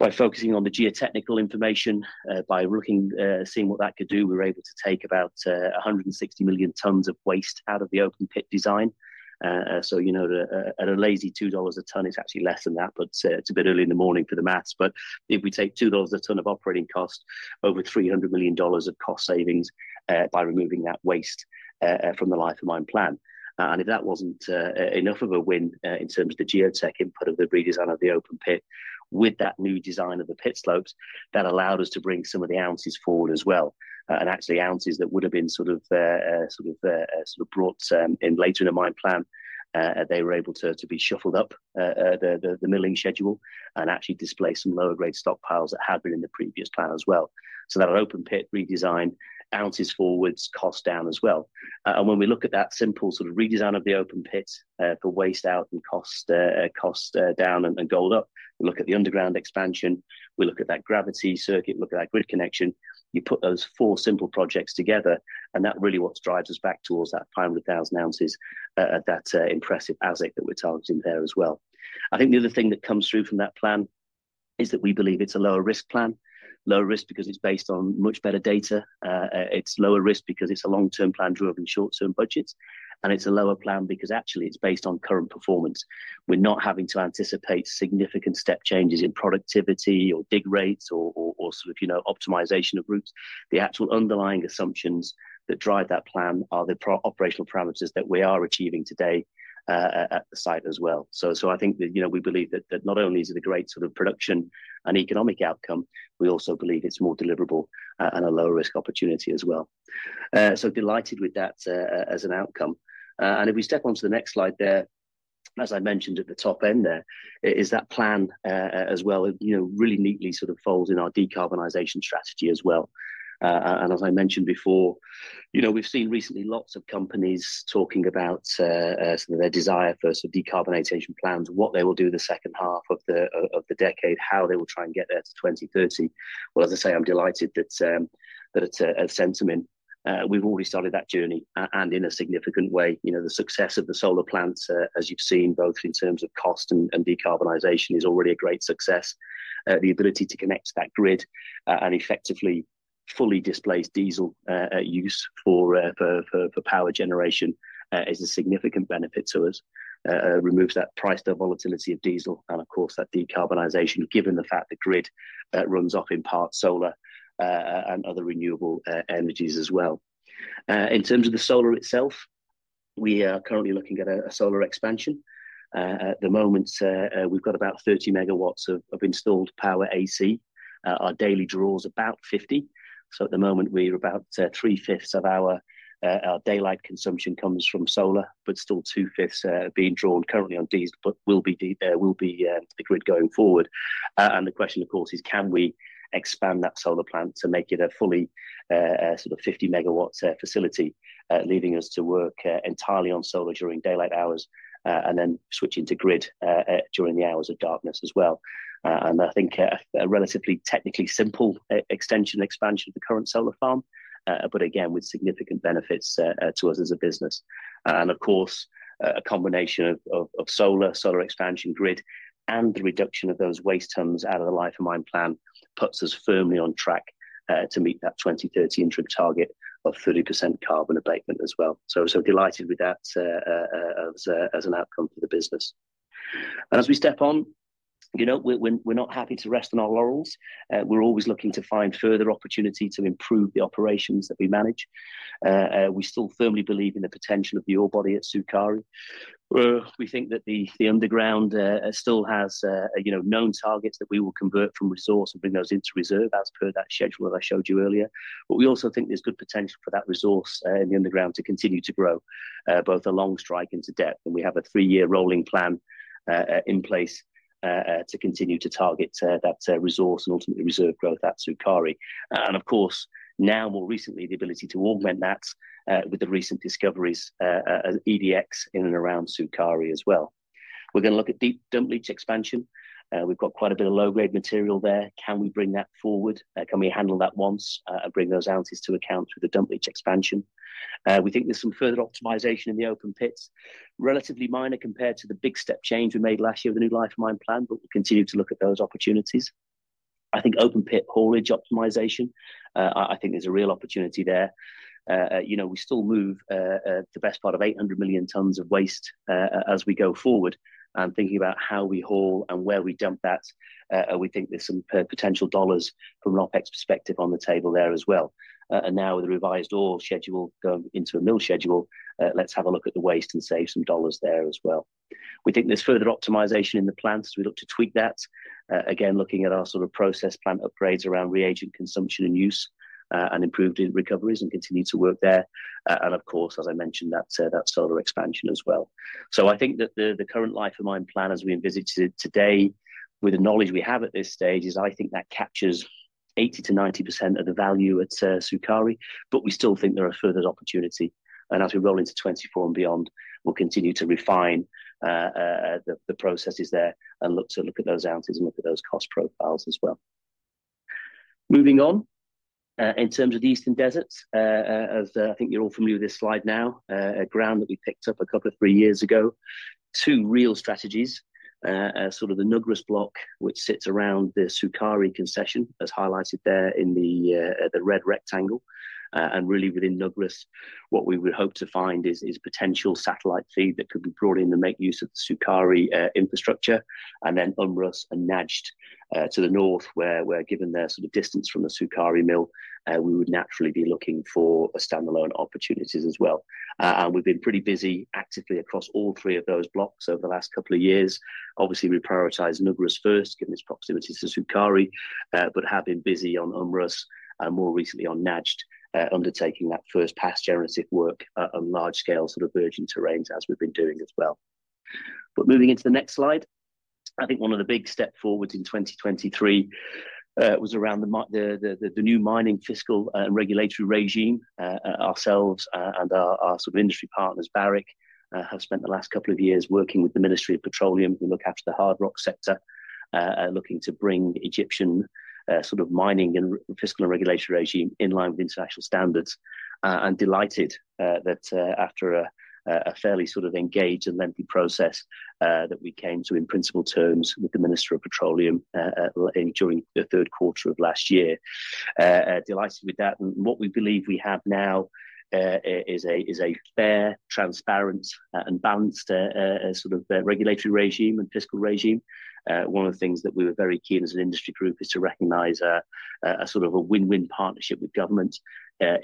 By focusing on the geotechnical information, by seeing what that could do, we were able to take about 160 million tonnes of waste out of the open pit design. So at a lazy $2 a tonne, it's actually less than that. But it's a bit early in the morning for the math. But if we take $2 a tonne of operating cost, over $300 million of cost savings by removing that waste from the life of mine plan. And if that wasn't enough of a win in terms of the geotech input of the redesign of the open pit with that new design of the pit slopes, that allowed us to bring some of the ounces forward as well. And actually, ounces that would have been sort of brought in later in the mine plan, they were able to be shuffled up the milling schedule and actually display some lower-grade stockpiles that had been in the previous plan as well. So that open pit redesign, ounces forward, cost down as well. When we look at that simple sort of redesign of the open pit for waste out and cost down and gold up, we look at the underground expansion, we look at that gravity circuit, we look at that grid connection, you put those four simple projects together, and that really what drives us back towards that 500,000 ounces, that impressive asset that we're targeting there as well. I think the other thing that comes through from that plan is that we believe it's a lower-risk plan. Lower-risk because it's based on much better data. It's lower-risk because it's a long-term plan driven short-term budgets. It's a lower plan because actually it's based on current performance. We're not having to anticipate significant step changes in productivity or dig rates or sort of optimization of routes. The actual underlying assumptions that drive that plan are the operational parameters that we are achieving today at the site as well. So I think that we believe that not only is it a great sort of production and economic outcome, we also believe it's more deliverable and a lower-risk opportunity as well. So delighted with that as an outcome. And if we step onto the next slide there, as I mentioned at the top end there, is that plan as well really neatly sort of folds in our decarbonization strategy as well. And as I mentioned before, we've seen recently lots of companies talking about sort of their desire for sort of decarbonization plans, what they will do the second half of the decade, how they will try and get there to 2030. Well, as I say, I'm delighted that at Centamin, we've already started that journey. And in a significant way, the success of the solar plants, as you've seen, both in terms of cost and decarbonization, is already a great success. The ability to connect to that grid and effectively fully displace diesel use for power generation is a significant benefit to us. Removes that price volatility of diesel and of course that decarbonization, given the fact the grid runs off in part solar and other renewable energies as well. In terms of the solar itself, we are currently looking at a solar expansion. At the moment, we've got about 30 megawatts of installed power AC. Our daily draw is about 50. So at the moment, we're about three-fifths of our daylight consumption comes from solar, but still two-fifths being drawn currently on diesel, but will be the grid going forward. The question, of course, is can we expand that solar plant to make it a fully sort of 50-megawatt facility, leaving us to work entirely on solar during daylight hours and then switching to grid during the hours of darkness as well? I think a relatively technically simple extension and expansion of the current solar farm, but again, with significant benefits to us as a business. Of course, a combination of solar, solar expansion, grid, and the reduction of those waste tons out of the life-of-mine plan puts us firmly on track to meet that 2030 interim target of 30% carbon abatement as well. Delighted with that as an outcome for the business. As we step on, we're not happy to rest on our laurels. We're always looking to find further opportunity to improve the operations that we manage. We still firmly believe in the potential of the ore body at Sukari. We think that the underground still has known targets that we will convert from resource and bring those into reserve as per that schedule that I showed you earlier. But we also think there's good potential for that resource in the underground to continue to grow, both along strike into depth. And we have a three-year rolling plan in place to continue to target that resource and ultimately reserve growth at Sukari. And of course, now more recently, the ability to augment that with the recent discoveries of EDX in and around Sukari as well. We're going to look at deep dump leach expansion. We've got quite a bit of low-grade material there. Can we bring that forward? Can we handle that once and bring those ounces to account with the dump leach expansion? We think there's some further optimization in the open pits, relatively minor compared to the big step change we made last year with the new life of mine plan, but we'll continue to look at those opportunities. I think open pit haulage optimization, I think there's a real opportunity there. We still move the best part of 800 million tons of waste as we go forward. And thinking about how we haul and where we dump that, we think there's some potential dollars from an OpEx perspective on the table there as well. And now with the revised ore schedule going into a mill schedule, let's have a look at the waste and save some dollars there as well. We think there's further optimization in the plant as we look to tweak that. Again, looking at our sort of process plant upgrades around reagent consumption and use and improved recoveries and continue to work there. And of course, as I mentioned, that solar expansion as well. So I think that the current life of mine plan as we envisage it today with the knowledge we have at this stage is I think that captures 80%-90% of the value at Sukari. But we still think there are further opportunity. And as we roll into 2024 and beyond, we'll continue to refine the processes there and look at those ounces and look at those cost profiles as well. Moving on, in terms of the Eastern Desert, as I think you're all familiar with this slide now, a ground that we picked up a couple of three years ago, two real strategies, sort of the Nugrus block which sits around the Sukari concession as highlighted there in the red rectangle. And really within Nugrus, what we would hope to find is potential satellite feed that could be brought in to make use of the Sukari infrastructure. And then Um Rus and Najd to the north where given their sort of distance from the Sukari mill, we would naturally be looking for standalone opportunities as well. And we've been pretty busy actively across all three of those blocks over the last couple of years. Obviously, we prioritize Nugrus first, given its proximity to Sukari, but have been busy on Um Rus and more recently on Najd undertaking that first pass generative work on large-scale sort of virgin terrains as we've been doing as well. But moving into the next slide, I think one of the big step forward in 2023 was around the new mining fiscal and regulatory regime. Ourselves and our sort of industry partners, Barrick, have spent the last couple of years working with the Ministry of Petroleum to look after the hard rock sector, looking to bring Egyptian sort of mining and fiscal and regulatory regime in line with international standards. Delighted that after a fairly sort of engaged and lengthy process that we came to in principle terms with the Ministry of Petroleum during the third quarter of last year. Delighted with that. And what we believe we have now is a fair, transparent, and balanced sort of regulatory regime and fiscal regime. One of the things that we were very keen as an industry group is to recognize a sort of a win-win partnership with government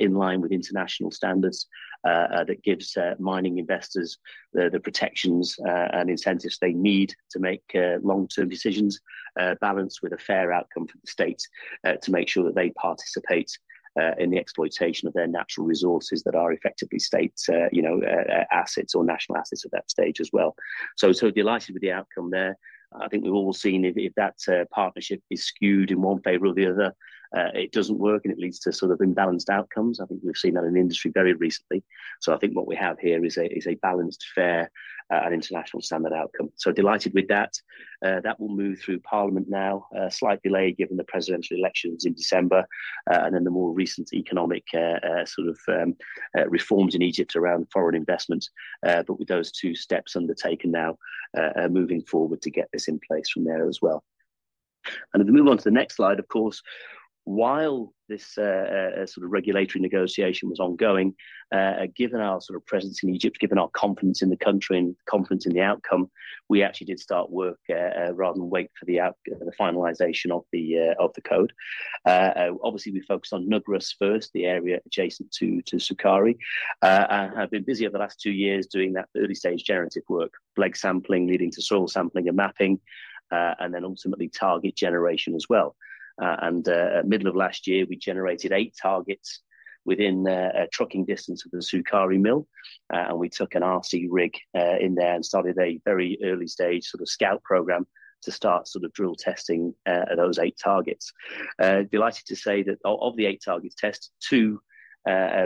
in line with international standards that gives mining investors the protections and incentives they need to make long-term decisions balanced with a fair outcome for the state to make sure that they participate in the exploitation of their natural resources that are effectively state assets or national assets at that stage as well. So delighted with the outcome there. I think we've all seen if that partnership is skewed in one favor or the other, it doesn't work and it leads to sort of imbalanced outcomes. I think we've seen that in industry very recently. So I think what we have here is a balanced, fair, and international standard outcome. So delighted with that. That will move through Parliament now, slight delay given the presidential elections in December and then the more recent economic sort of reforms in Egypt around foreign investment. But with those two steps undertaken now, moving forward to get this in place from there as well. And if we move on to the next slide, of course, while this sort of regulatory negotiation was ongoing, given our sort of presence in Egypt, given our confidence in the country and confidence in the outcome, we actually did start work rather than wait for the finalization of the code. Obviously, we focused on Nugrus first, the area adjacent to Sukari. And have been busy over the last 2 years doing that early-stage generative work, leg sampling leading to soil sampling and mapping, and then ultimately target generation as well. And middle of last year, we generated 8 targets within trucking distance of the Sukari mill. And we took an RC rig in there and started a very early-stage sort of scout program to start sort of drill testing those 8 targets. Delighted to say that of the 8 targets tested, 2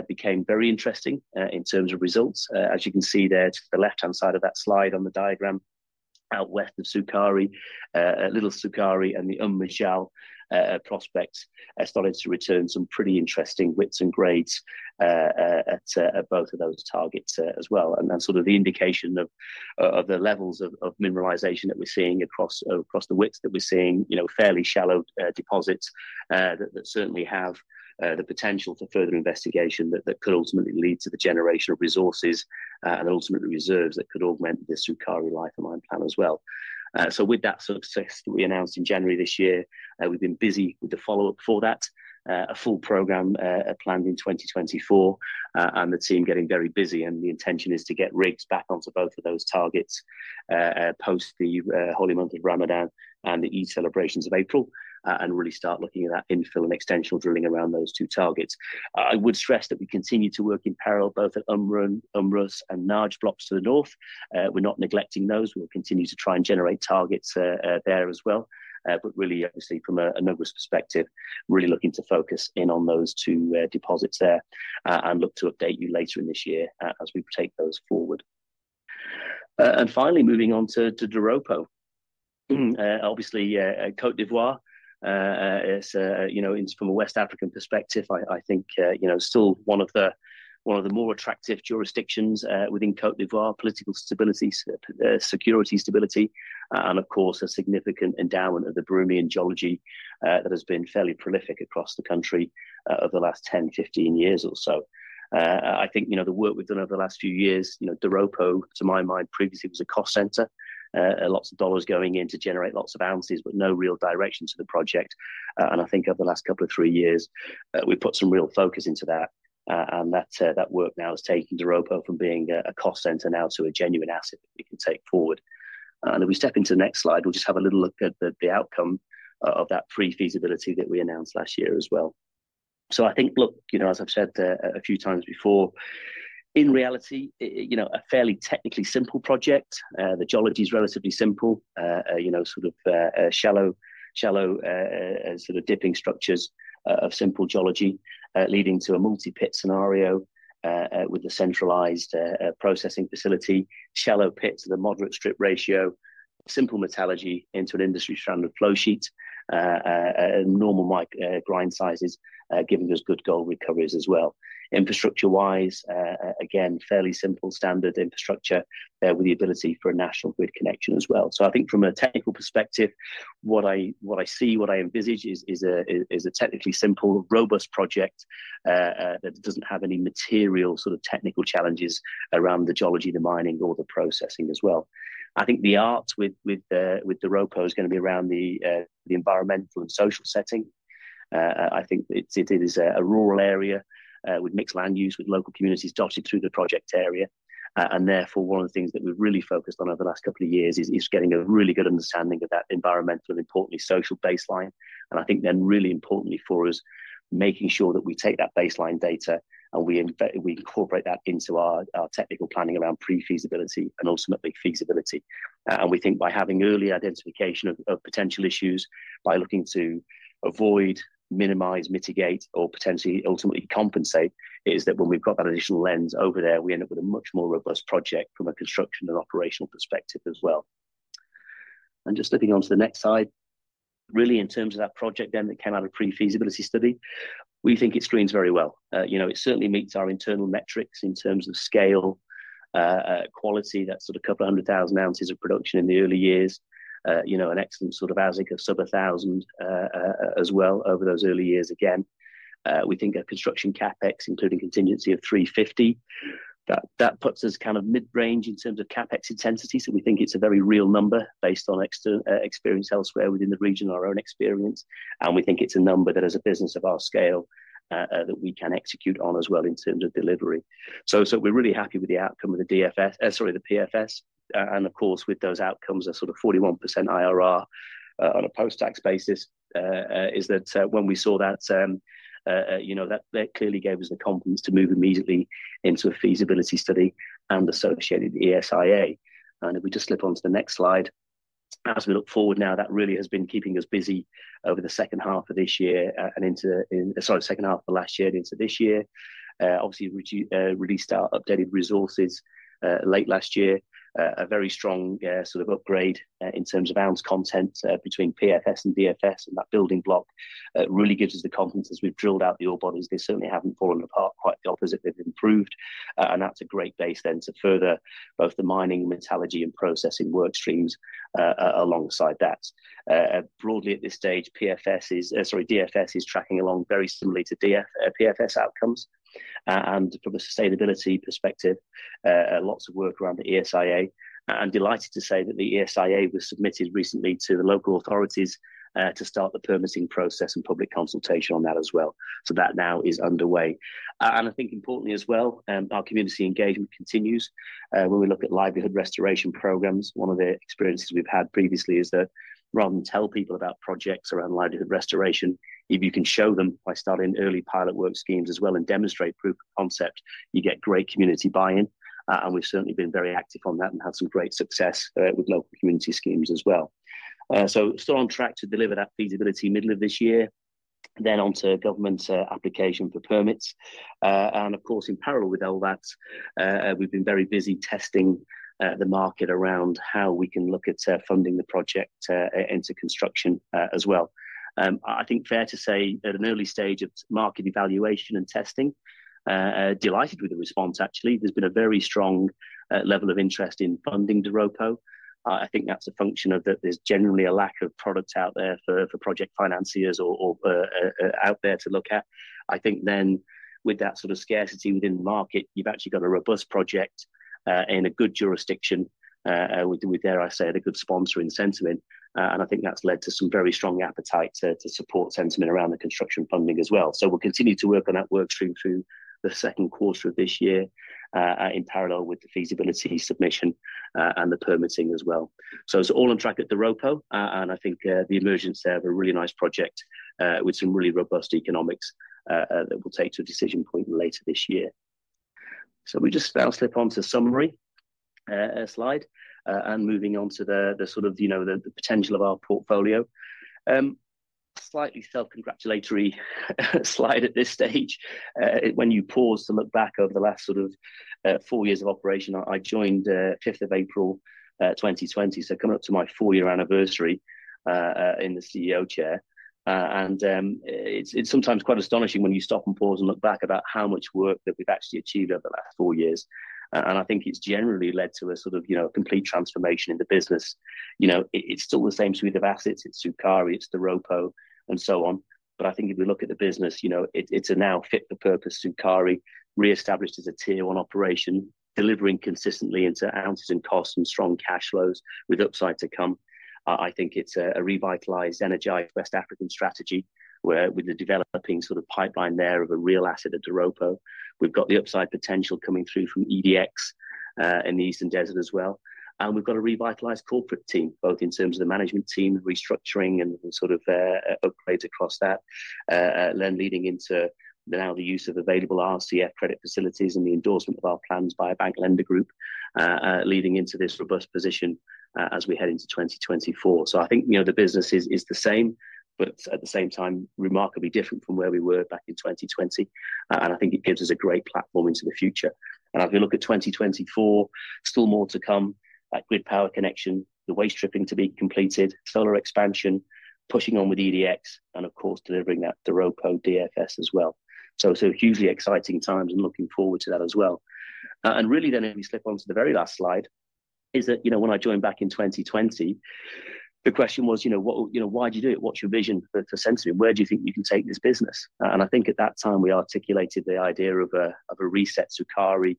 became very interesting in terms of results. As you can see there to the left-hand side of that slide on the diagram, out west of Sukari, Little Sukari and the Umm Majal prospects started to return some pretty interesting widths and grades at both of those targets as well. And sort of the indication of the levels of mineralization that we're seeing across the widths that we're seeing, fairly shallow deposits that certainly have the potential for further investigation that could ultimately lead to the generation of resources and ultimately reserves that could augment this Sukari life of mine plan as well. So with that success that we announced in January this year, we've been busy with the follow-up for that, a full program planned in 2024 and the team getting very busy. And the intention is to get rigs back onto both of those targets post the holy month of Ramadan and the Eid celebrations of April and really start looking at that infill and extensional drilling around those two targets. I would stress that we continue to work in parallel both at Um Rus and Najd blocks to the north. We're not neglecting those. We'll continue to try and generate targets there as well. But really, obviously, from a Nugrus perspective, really looking to focus in on those two deposits there and look to update you later in this year as we take those forward. And finally, moving on to Doropo. Obviously, Côte d'Ivoire, from a West African perspective, I think still one of the more attractive jurisdictions within Côte d'Ivoire, political stability, security stability, and of course, a significant endowment of the Birimian geology that has been fairly prolific across the country over the last 10, 15 years or so. I think the work we've done over the last few years, Doropo, to my mind, previously was a cost center, lots of dollars going in to generate lots of ounces, but no real direction to the project. I think over the last couple of three years, we put some real focus into that. And that work now has taken Doropo from being a cost center now to a genuine asset that we can take forward. And if we step into the next slide, we'll just have a little look at the outcome of that pre-feasibility that we announced last year as well. So I think, look, as I've said a few times before, in reality, a fairly technically simple project, the geology is relatively simple, sort of shallow sort of dipping structures of simple geology leading to a multi-pit scenario with a centralized processing facility, shallow pits with a moderate strip ratio, simple metallurgy into an industry-standard flow sheet, normal mill grind sizes, giving us good gold recoveries as well. Infrastructure-wise, again, fairly simple standard infrastructure with the ability for a national grid connection as well. So I think from a technical perspective, what I see, what I envisage is a technically simple, robust project that doesn't have any material sort of technical challenges around the geology, the mining, or the processing as well. I think the art with Doropo is going to be around the environmental and social setting. I think it is a rural area with mixed land use with local communities dotted through the project area. And therefore, one of the things that we've really focused on over the last couple of years is getting a really good understanding of that environmental and importantly social baseline. And I think then really importantly for us, making sure that we take that baseline data and we incorporate that into our technical planning around pre-feasibility and ultimately feasibility. We think by having early identification of potential issues, by looking to avoid, minimize, mitigate, or potentially ultimately compensate, is that when we've got that additional lens over there, we end up with a much more robust project from a construction and operational perspective as well. Just looking onto the next slide, really in terms of that project then that came out of pre-feasibility study, we think it screens very well. It certainly meets our internal metrics in terms of scale, quality. That's sort of a couple hundred thousand ounces of production in the early years, an excellent sort of AISC of sub-$1,000 as well over those early years again. We think our construction CapEx, including contingency of $350 million, that puts us kind of mid-range in terms of CapEx intensity. So we think it's a very real number based on experience elsewhere within the region, our own experience. We think it's a number that as a business of our scale that we can execute on as well in terms of delivery. So we're really happy with the outcome of the DFS, sorry, the PFS. Of course, with those outcomes of sort of 41% IRR on a post-tax basis, that, when we saw that, clearly gave us the confidence to move immediately into a feasibility study and associated ESIA. If we just slip onto the next slide, as we look forward now, that really has been keeping us busy over the second half of this year and into sorry, second half of last year and into this year. Obviously, we released our updated resources late last year, a very strong sort of upgrade in terms of ounce content between PFS and DFS and that building block really gives us the confidence as we've drilled out the ore bodies, they certainly haven't fallen apart, quite the opposite, they've improved. And that's a great base then to further both the mining, metallurgy, and processing workstreams alongside that. Broadly at this stage, PFS is sorry, DFS is tracking along very similarly to PFS outcomes. And from a sustainability perspective, lots of work around the ESIA. And delighted to say that the ESIA was submitted recently to the local authorities to start the permitting process and public consultation on that as well. So that now is underway. And I think importantly as well, our community engagement continues. When we look at livelihood restoration programs, one of the experiences we've had previously is that rather than tell people about projects around livelihood restoration, if you can show them by starting early pilot work schemes as well and demonstrate proof of concept, you get great community buy-in. We've certainly been very active on that and had some great success with local community schemes as well. Still on track to deliver that feasibility middle of this year. Then onto government application for permits. Of course, in parallel with all that, we've been very busy testing the market around how we can look at funding the project into construction as well. I think fair to say at an early stage of market evaluation and testing, delighted with the response actually, there's been a very strong level of interest in funding Doropo. I think that's a function of that there's generally a lack of projects out there for project financiers or out there to look at. I think then with that sort of scarcity within the market, you've actually got a robust project in a good jurisdiction with, dare I say, a good sponsor in Centamin. And I think that's led to some very strong appetite to support Centamin around the construction funding as well. So we'll continue to work on that workstream through the second quarter of this year in parallel with the feasibility submission and the permitting as well. So it's all on track at Doropo. And I think the emergence there of a really nice project with some really robust economics that will take to a decision point later this year. So we just now slip onto a summary slide and moving onto the sort of the potential of our portfolio. Slightly self-congratulatory slide at this stage. When you pause to look back over the last sort of four years of operation, I joined 5th of April 2020. So coming up to my four-year anniversary in the CEO chair. And it's sometimes quite astonishing when you stop and pause and look back about how much work that we've actually achieved over the last four years. And I think it's generally led to a sort of complete transformation in the business. It's still the same suite of assets. It's Sukari, it's Doropo, and so on. But I think if we look at the business, it's a now fit for purpose Sukari, reestablished as a Tier 1 operation, delivering consistently into ounces and costs and strong cash flows with upside to come. I think it's a revitalized, energized West African strategy with the developing sort of pipeline there of a real asset at Doropo. We've got the upside potential coming through from EDX in the Eastern Desert as well. We've got a revitalized corporate team, both in terms of the management team, restructuring, and sort of upgrades across that, then leading into now the use of available RCF credit facilities and the endorsement of our plans by a bank lender group leading into this robust position as we head into 2024. I think the business is the same, but at the same time, remarkably different from where we were back in 2020. I think it gives us a great platform into the future. If we look at 2024, still more to come, that grid power connection, the waste stripping to be completed, solar expansion, pushing on with EDX, and of course, delivering that Doropo DFS as well. So hugely exciting times and looking forward to that as well. Really then if we slip onto the very last slide, is that when I joined back in 2020, the question was, why did you do it? What's your vision for Centamin? Where do you think you can take this business? And I think at that time we articulated the idea of a reset Sukari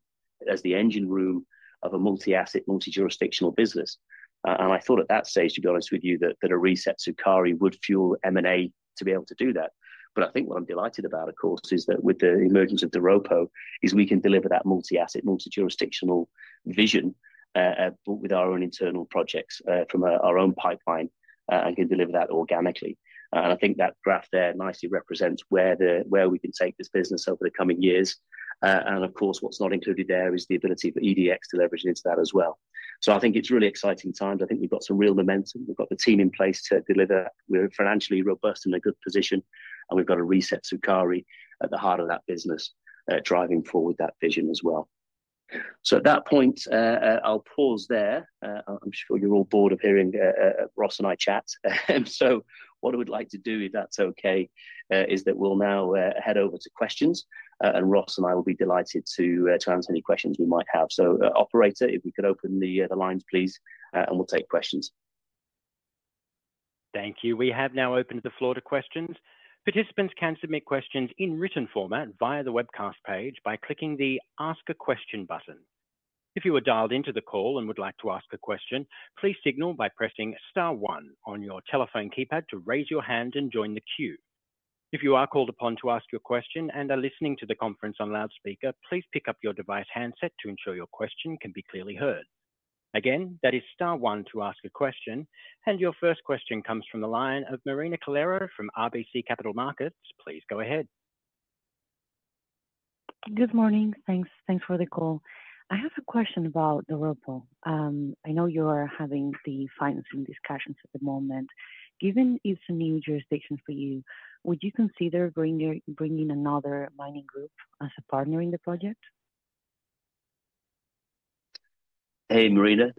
as the engine room of a multi-asset, multi-jurisdictional business. And I thought at that stage, to be honest with you, that a reset Sukari would fuel M&A to be able to do that. But I think what I'm delighted about, of course, is that with the emergence of Doropo is we can deliver that multi-asset, multi-jurisdictional vision, but with our own internal projects from our own pipeline and can deliver that organically. I think that graph there nicely represents where we can take this business over the coming years. Of course, what's not included there is the ability for EDX to leverage into that as well. So I think it's really exciting times. I think we've got some real momentum. We've got the team in place to deliver. We're financially robust in a good position. We've got a reset Sukari at the heart of that business driving forward that vision as well. So at that point, I'll pause there. I'm sure you're all bored of hearing Ross and I chat. And so what I would like to do, if that's okay, is that we'll now head over to questions. And Ross and I will be delighted to answer any questions we might have. So operator, if we could open the lines, please, and we'll take questions. Thank you. We have now opened the floor to questions. Participants can submit questions in written format via the webcast page by clicking the Ask a Question button. If you are dialed into the call and would like to ask a question, please signal by pressing star one on your telephone keypad to raise your hand and join the queue. If you are called upon to ask your question and are listening to the conference on loudspeaker, please pick up your device handset to ensure your question can be clearly heard. Again, that is star one to ask a question. And your first question comes from the line of Marina Calero from RBC Capital Markets. Please go ahead. Good morning. Thanks for the call. I have a question about Doropo. I know you are having the financing discussions at the moment. Given it's a new jurisdiction for you, would you consider bringing another mining group as a partner in the project? Hey, Marina.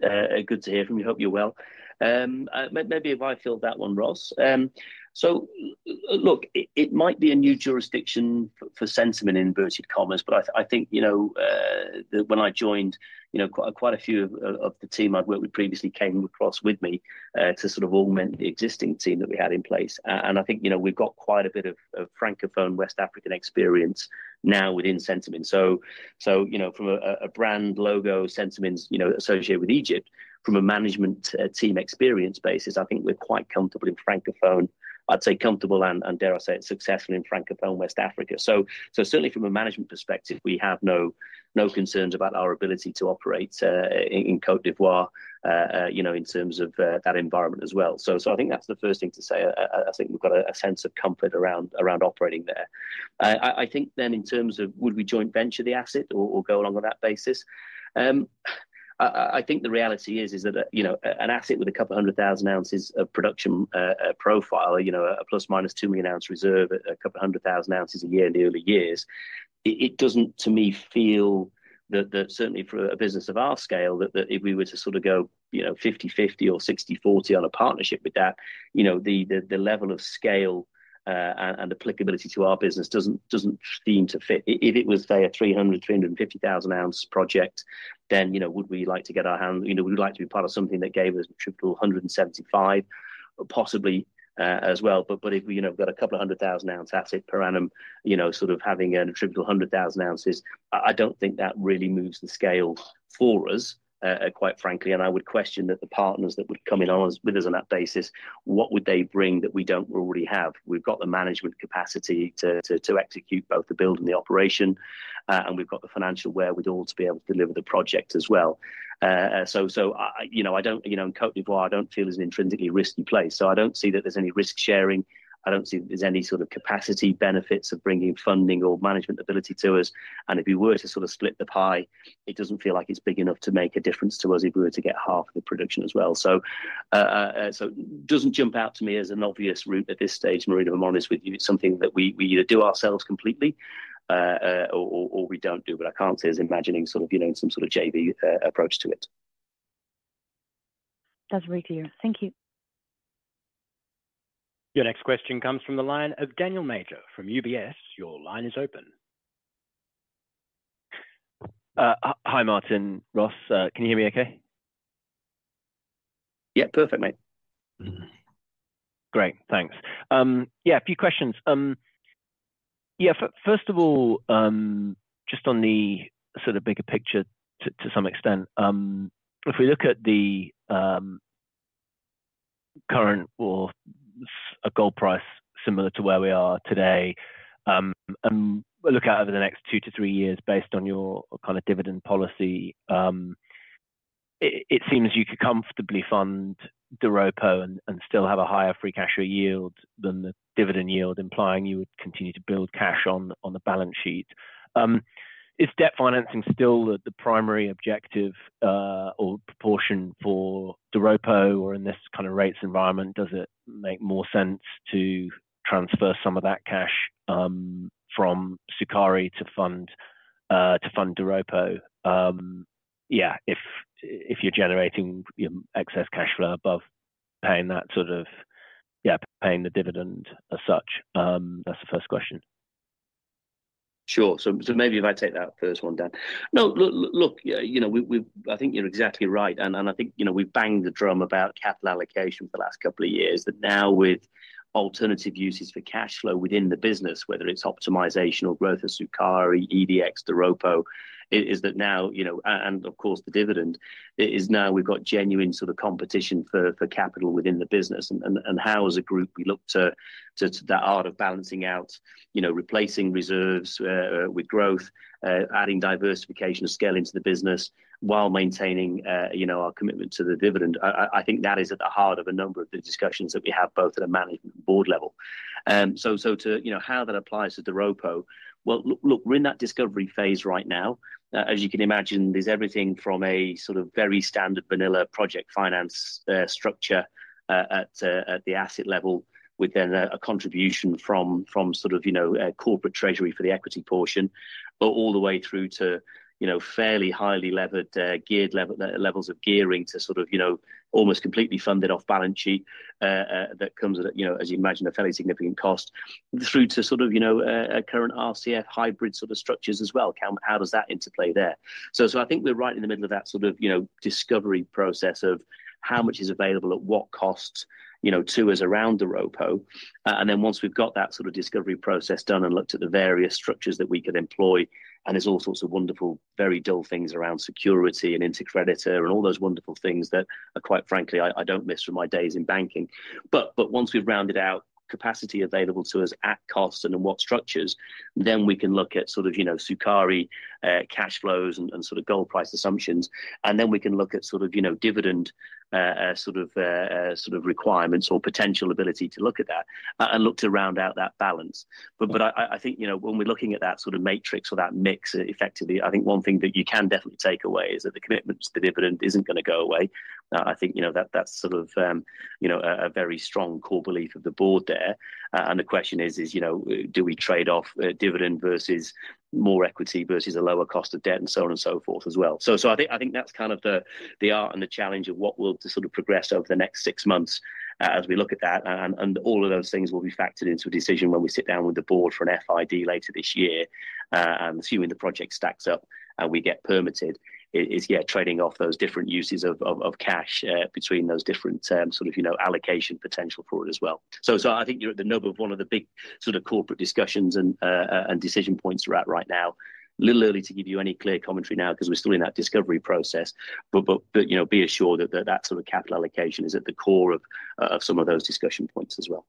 Good to hear from you. Hope you're well. Maybe if I fill that one, Ross. So look, it might be a new jurisdiction for Centamin in inverted commas, but I think that when I joined, quite a few of the team I've worked with previously came across with me to sort of augment the existing team that we had in place. And I think we've got quite a bit of Francophone West African experience now within Centamin. So from a brand logo, Centamin's associated with Egypt, from a management team experience basis, I think we're quite comfortable in Francophone, I'd say comfortable and dare I say successful in Francophone West Africa. So certainly from a management perspective, we have no concerns about our ability to operate in Côte d'Ivoire in terms of that environment as well. So I think that's the first thing to say. I think we've got a sense of comfort around operating there. I think then in terms of would we joint venture the asset or go along on that basis? I think the reality is that an asset with a couple of 100,000 ounces of production profile, a ±2 million ounce reserve, a couple of 100,000 ounces a year in the early years, it doesn't to me feel that certainly for a business of our scale, that if we were to sort of go 50/50 or 60/40 on a partnership with that, the level of scale and applicability to our business doesn't seem to fit. If it was, say, a 300-350 thousand ounce project, then would we like to get our hands we'd like to be part of something that gave us a triple 175 possibly as well. But if we've got a couple of hundred thousand ounce asset per annum, sort of having a triple 100,000 ounces, I don't think that really moves the scale for us, quite frankly. And I would question that the partners that would come in with us on that basis, what would they bring that we don't already have? We've got the management capacity to execute both the build and the operation. And we've got the financial wherewithal to be able to deliver the project as well. So I don't in Côte d'Ivoire, I don't feel is an intrinsically risky place. So I don't see that there's any risk sharing. I don't see that there's any sort of capacity benefits of bringing funding or management ability to us. And if we were to sort of split the pie, it doesn't feel like it's big enough to make a difference to us if we were to get half of the production as well. So it doesn't jump out to me as an obvious route at this stage, Marina. If I'm honest with you, it's something that we either do ourselves completely or we don't do. But I can't say it's imagining sort of some sort of JV approach to it. That's very clear. Thank you. Your next question comes from the line of Daniel Major from UBS. Your line is open. Hi, Martin. Ross, can you hear me okay? Yeah, perfect, mate. Great. Thanks. Yeah, a few questions. Yeah, first of all, just on the sort of bigger picture to some extent, if we look at the current or a gold price similar to where we are today, and look out over the next two to three years based on your kind of dividend policy, it seems you could comfortably fund Doropo and still have a higher free cash flow yield than the dividend yield, implying you would continue to build cash on the balance sheet. Is debt financing still the primary objective or proportion for Doropo or in this kind of rates environment, does it make more sense to transfer some of that cash from Sukari to fund Doropo? Yeah, if you're generating excess cash flow above paying that sort of yeah, paying the dividend as such. That's the first question. Sure. So maybe if I take that first one, Dan. No, look, I think you're exactly right. I think we've banged the drum about capital allocation for the last couple of years, that now with alternative uses for cash flow within the business, whether it's optimization or growth of Sukari, EDX, Doropo, is that now and of course, the dividend, is now we've got genuine sort of competition for capital within the business. How as a group, we look to that art of balancing out, replacing reserves with growth, adding diversification of scale into the business while maintaining our commitment to the dividend. I think that is at the heart of a number of the discussions that we have both at a management board level. So to how that applies to Doropo, well, look, we're in that discovery phase right now. As you can imagine, there's everything from a sort of very standard vanilla project finance structure at the asset level with then a contribution from sort of corporate treasury for the equity portion, all the way through to fairly highly leveled geared levels of gearing to sort of almost completely funded off balance sheet that comes at, as you imagine, a fairly significant cost, through to sort of a current RCF hybrid sort of structures as well. How does that interplay there? So I think we're right in the middle of that sort of discovery process of how much is available at what cost to us around Doropo. And then once we've got that sort of discovery process done and looked at the various structures that we could employ, and there's all sorts of wonderful, very dull things around security and intercreditor and all those wonderful things that are quite frankly, I don't miss from my days in banking. But once we've rounded out capacity available to us at Centamin and what structures, then we can look at sort of Sukari cash flows and sort of gold price assumptions. And then we can look at sort of dividend sort of requirements or potential ability to look at that and look to round out that balance. But I think when we're looking at that sort of matrix or that mix, effectively, I think one thing that you can definitely take away is that the commitment to the dividend isn't going to go away. I think that's sort of a very strong core belief of the board there. And the question is, do we trade off dividend versus more equity versus a lower cost of debt and so on and so forth as well? So I think that's kind of the art and the challenge of what will sort of progress over the next six months as we look at that. And all of those things will be factored into a decision when we sit down with the board for an FID later this year. And assuming the project stacks up and we get permitted, it's yeah, trading off those different uses of cash between those different sort of allocation potential for it as well. So I think you're at the nub of one of the big sort of corporate discussions and decision points we're at right now. A little early to give you any clear commentary now because we're still in that discovery process. But be assured that that sort of capital allocation is at the core of some of those discussion points as well.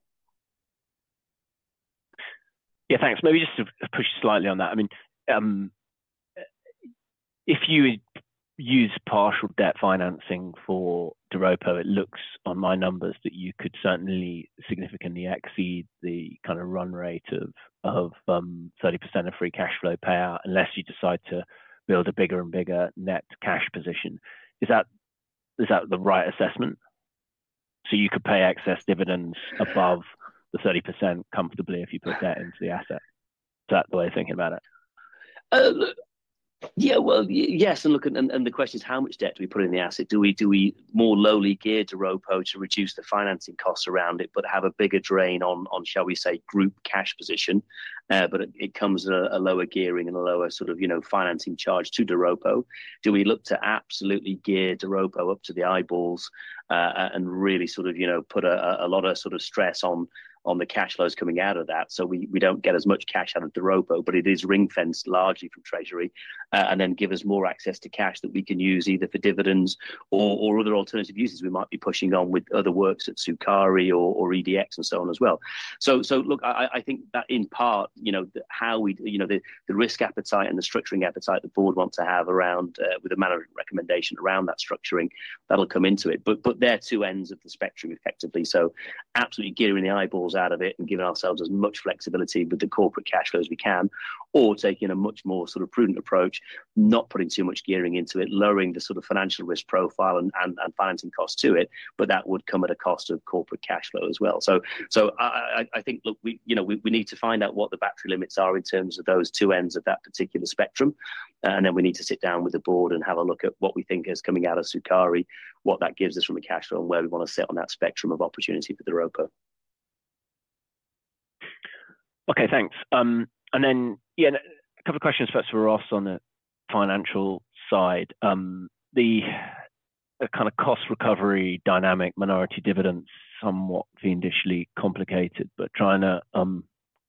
Yeah, thanks. Maybe just to push slightly on that. I mean, if you use partial debt financing for Doropo, it looks on my numbers that you could certainly significantly exceed the kind of run rate of 30% of free cash flow payout unless you decide to build a bigger and bigger net cash position. Is that the right assessment? So you could pay excess dividends above the 30% comfortably if you put debt into the asset. Is that the way of thinking about it? Yeah, well, yes. And look, and the question is, how much debt do we put in the asset? Do we more lowly gear Doropo to reduce the financing costs around it, but have a bigger drain on, shall we say, group cash position? But it comes with a lower gearing and a lower sort of financing charge to Doropo. Do we look to absolutely gear Doropo up to the eyeballs and really sort of put a lot of sort of stress on the cash flows coming out of that so we don't get as much cash out of Doropo, but it is ring-fenced largely from treasury, and then give us more access to cash that we can use either for dividends or other alternative uses we might be pushing on with other works at Sukari or EDX and so on as well? So, look, I think that in part, how we the risk appetite and the structuring appetite the board wants to have around with a management recommendation around that structuring, that'll come into it. But they're two ends of the spectrum effectively. So, absolutely gearing the eyeballs out of it and giving ourselves as much flexibility with the corporate cash flow as we can, or taking a much more sort of prudent approach, not putting too much gearing into it, lowering the sort of financial risk profile and financing costs to it, but that would come at a cost of corporate cash flow as well. So, I think, look, we need to find out what the battery limits are in terms of those two ends of that particular spectrum. Then we need to sit down with the board and have a look at what we think is coming out of Sukari, what that gives us from a cash flow, and where we want to sit on that spectrum of opportunity for Doropo. Okay, thanks. And then, yeah, a couple of questions first for Ross on the financial side. The kind of cost recovery dynamic, minority dividends, somewhat fiendishly complicated, but trying to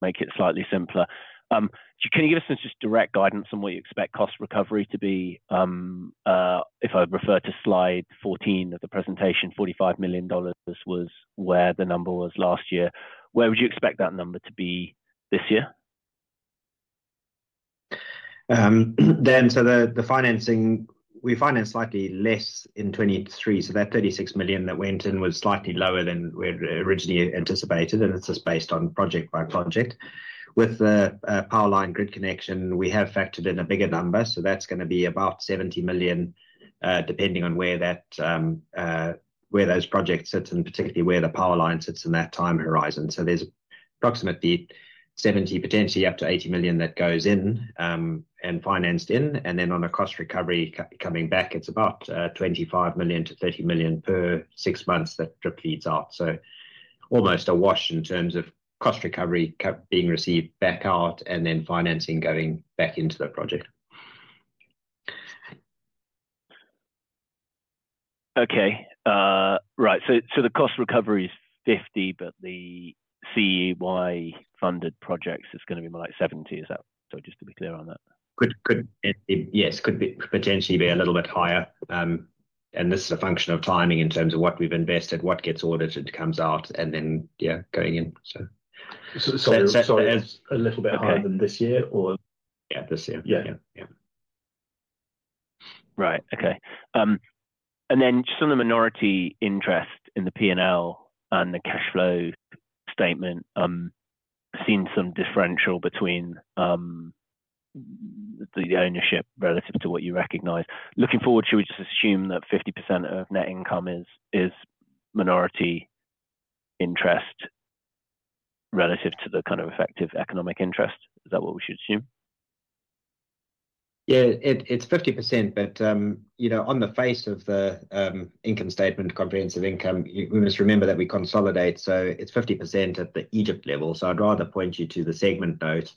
make it slightly simpler. Can you give us just direct guidance on what you expect cost recovery to be? If I refer to slide 14 of the presentation, $45 million was where the number was last year. Where would you expect that number to be this year? Dan, so the financing, we financed slightly less in 2023. So that $36 million that went in was slightly lower than we originally anticipated. And it's just based on project by project. With the power line grid connection, we have factored in a bigger number. So that's going to be about $70 million depending on where those projects sit and particularly where the power line sits in that time horizon. So there's approximately $70 million, potentially up to $80 million that goes in and financed in. And then on a cost recovery coming back, it's about $25 million-$30 million per six months that drip feeds out. So almost a wash in terms of cost recovery being received back out and then financing going back into the project. Okay. Right. So the cost recovery is 50, but the CEY-funded projects is going to be more like 70. Is that so, just to be clear on that? Yes, could potentially be a little bit higher. This is a function of timing in terms of what we've invested, what gets audited, comes out, and then, yeah, going in. That's sort of. A little bit higher than this year, or? Yeah, this year. Yeah. Yeah. Right. Okay. And then just on the minority interest in the P&L and the cash flow statement, seen some differential between the ownership relative to what you recognise. Looking forward, should we just assume that 50% of net income is minority interest relative to the kind of effective economic interest? Is that what we should assume? Yeah, it's 50%. But on the face of the income statement, comprehensive income, we must remember that we consolidate. So it's 50% at the Egypt level. So I'd rather point you to the segment note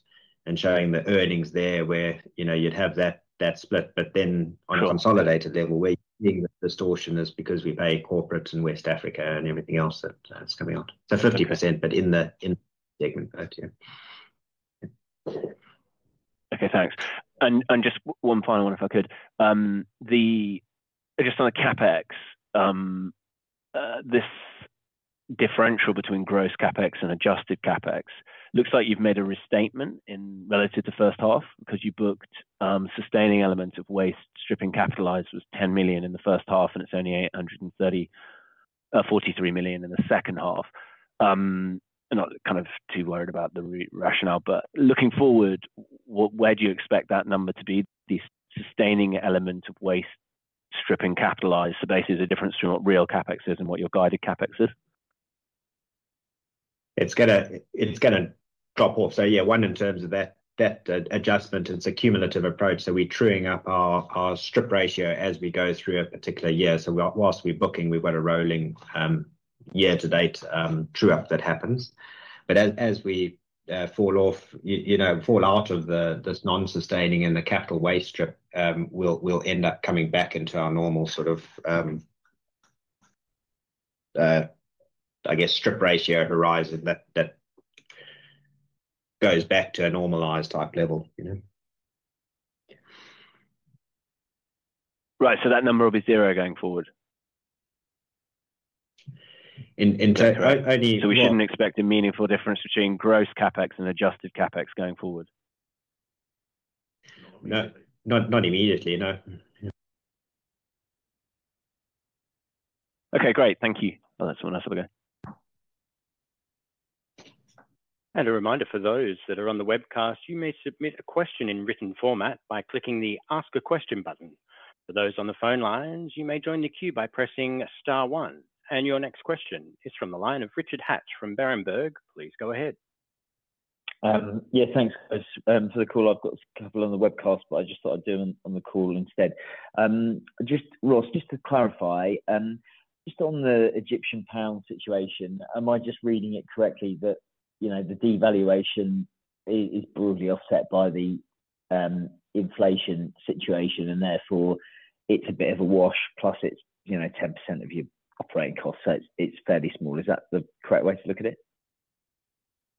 and showing the earnings there where you'd have that split. But then on a consolidated level, where you're seeing the distortion is because we pay corporates and West Africa and everything else that's coming out. So 50%, but in the segment note. Yeah. Okay, thanks. Just one final one, if I could. Just on the CapEx, this differential between gross CapEx and adjusted CapEx, looks like you've made a restatement relative to first half because you booked sustaining elements of waste stripping capitalized was $10 million in the first half, and it's only $43 million in the second half. I'm not kind of too worried about the rationale. But looking forward, where do you expect that number to be, the sustaining element of waste stripping capitalized? So basically, it's a difference between what real CapEx is and what your guided CapEx is. It's going to drop off. So yeah, one in terms of that adjustment and it's a cumulative approach. So we're truing up our strip ratio as we go through a particular year. So whilst we're booking, we've got a rolling year-to-date true-up that happens. But as we fall off, fall out of this non-sustaining and the capital waste strip, we'll end up coming back into our normal sort of, I guess, strip ratio horizon that goes back to a normalized type level. Right. So that number will be zero going forward? So we shouldn't expect a meaningful difference between gross CapEx and adjusted CapEx going forward? Not immediately. No. Yeah. Okay, great. Thank you. Oh, that's someone else over there. A reminder for those that are on the webcast, you may submit a question in written format by clicking the Ask a Question button. For those on the phone lines, you may join the queue by pressing star one. Your next question is from the line of Richard Hatch from Berenberg. Please go ahead. Yeah, thanks, guys, for the call. I've got a couple on the webcast, but I just thought I'd do them on the call instead. Ross, just to clarify, just on the Egyptian pound situation, am I just reading it correctly that the devaluation is broadly offset by the inflation situation, and therefore, it's a bit of a wash, plus it's 10% of your operating costs? So it's fairly small. Is that the correct way to look at it?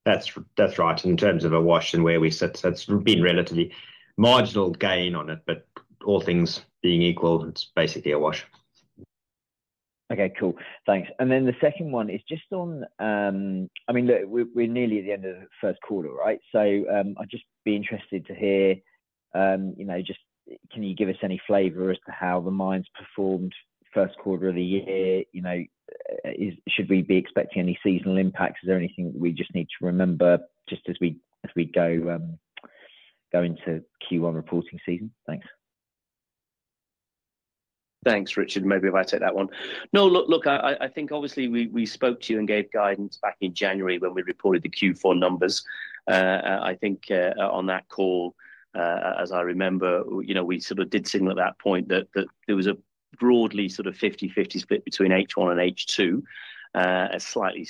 That's right. In terms of a wash and where we sit, so it's been relatively marginal gain on it, but all things being equal, it's basically a wash. Okay, cool. Thanks. And then the second one is just on I mean, look, we're nearly at the end of the first quarter, right? So I'd just be interested to hear, just can you give us any flavor as to how the mines performed first quarter of the year? Should we be expecting any seasonal impacts? Is there anything we just need to remember just as we go into Q1 reporting season? Thanks. Thanks, Richard. Maybe if I take that one. No, look, I think obviously we spoke to you and gave guidance back in January when we reported the Q4 numbers. I think on that call, as I remember, we sort of did signal at that point that there was a broadly sort of 50/50 split between H1 and H2, a slightly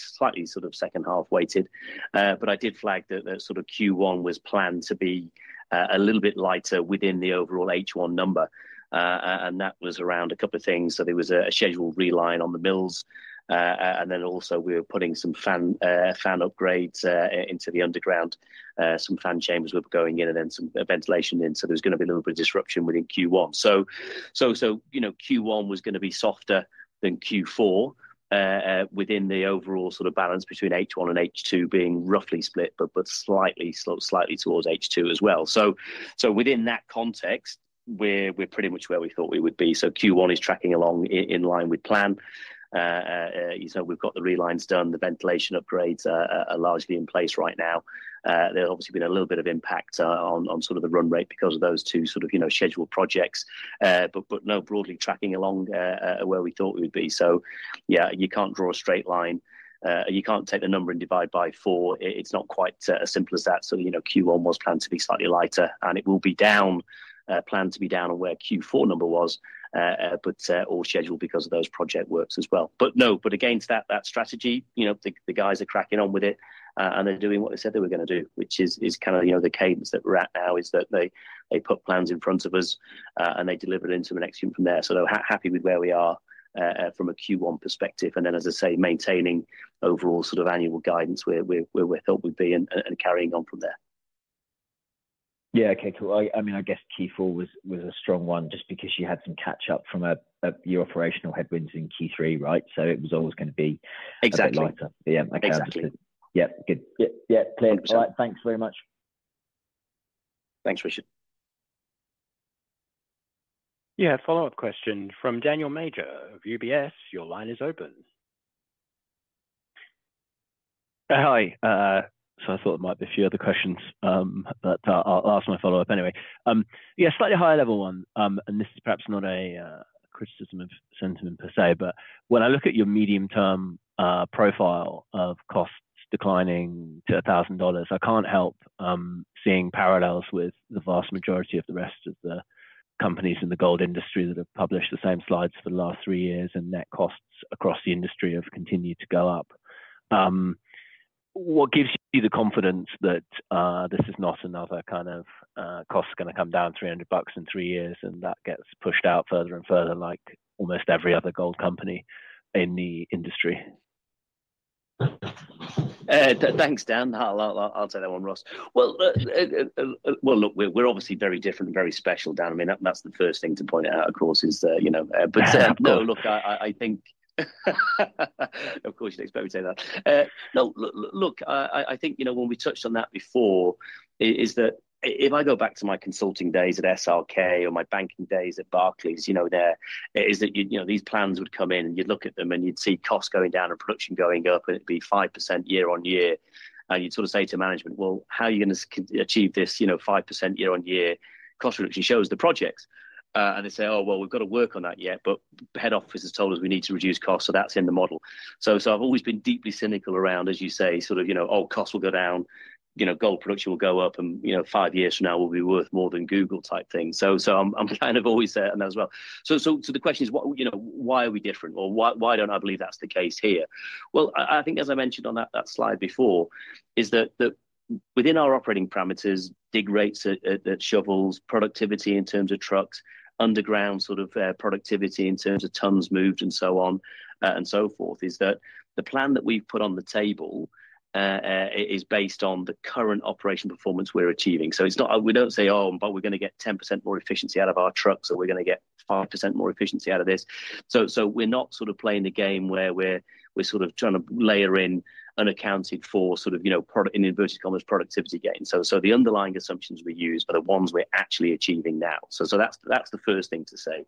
sort of second-half weighted. But I did flag that sort of Q1 was planned to be a little bit lighter within the overall H1 number. And that was around a couple of things. So there was a scheduled reline on the mills. And then also, we were putting some fan upgrades into the underground, some fan chambers were going in, and then some ventilation in. So there was going to be a little bit of disruption within Q1. So Q1 was going to be softer than Q4 within the overall sort of balance between H1 and H2 being roughly split, but slightly towards H2 as well. So within that context, we're pretty much where we thought we would be. So Q1 is tracking along in line with plan. So we've got the relines done, the ventilation upgrades are largely in place right now. There's obviously been a little bit of impact on sort of the run rate because of those two sort of scheduled projects. But no, broadly tracking along where we thought we would be. So yeah, you can't draw a straight line. You can't take the number and divide by four. It's not quite as simple as that. So Q1 was planned to be slightly lighter. It will be down, planned to be down on where Q4 number was, but all scheduled because of those project works as well. But no, but against that strategy, the guys are cracking on with it. They're doing what they said they were going to do, which is kind of the cadence that we're at now is that they put plans in front of us, and they delivered them to an excellent from there. So they're happy with where we are from a Q1 perspective. Then, as I say, maintaining overall sort of annual guidance where we thought we'd be and carrying on from there. Yeah, okay, cool. I mean, I guess Q4 was a strong one just because you had some catch-up from your operational headwinds in Q3, right? So it was always going to be a bit lighter. Yeah, I can't resist. Yeah, good. Yeah, clear. All right, thanks very much. Thanks, Richard. Yeah, follow-up question from Daniel Major of UBS. Your line is open. Hi. So I thought there might be a few other questions, but I'll ask my follow-up anyway. Yeah, slightly higher-level one. And this is perhaps not a criticism of sentiment per se, but when I look at your medium-term profile of costs declining to $1,000, I can't help seeing parallels with the vast majority of the rest of the companies in the gold industry that have published the same slides for the last three years and net costs across the industry have continued to go up. What gives you the confidence that this is not another kind of cost going to come down $300 in three years and that gets pushed out further and further like almost every other gold company in the industry? Thanks, Dan. I'll take that one, Ross. Well, look, we're obviously very different and very special, Dan. I mean, that's the first thing to point out, of course, is that but no, look, I think of course, you'd expect me to say that. No, look, I think when we touched on that before is that if I go back to my consulting days at SRK or my banking days at Barclays, there is that these plans would come in, and you'd look at them, and you'd see costs going down and production going up, and it'd be 5% year-on-year. And you'd sort of say to management, "Well, how are you going to achieve this 5% year-on-year cost reduction?" Shows the projects. And they say, "Oh, well, we've got to work on that yet, but head office has told us we need to reduce costs, so that's in the model." So I've always been deeply cynical around, as you say, sort of, "Oh, costs will go down. Gold production will go up, and five years from now, we'll be worth more than Google," type thing. So I'm kind of always there on that as well. So the question is, why are we different? Or why don't I believe that's the case here? Well, I think, as I mentioned on that slide before, is that within our operating parameters, dig rates at shovels, productivity in terms of trucks, underground sort of productivity in terms of tons moved, and so on and so forth, is that the plan that we've put on the table is based on the current operation performance we're achieving. So we don't say, "Oh, but we're going to get 10% more efficiency out of our trucks, or we're going to get 5% more efficiency out of this." So we're not sort of playing the game where we're sort of trying to layer in unaccounted for sort of product in inverted commas, productivity gain. So the underlying assumptions we use are the ones we're actually achieving now. So that's the first thing to say.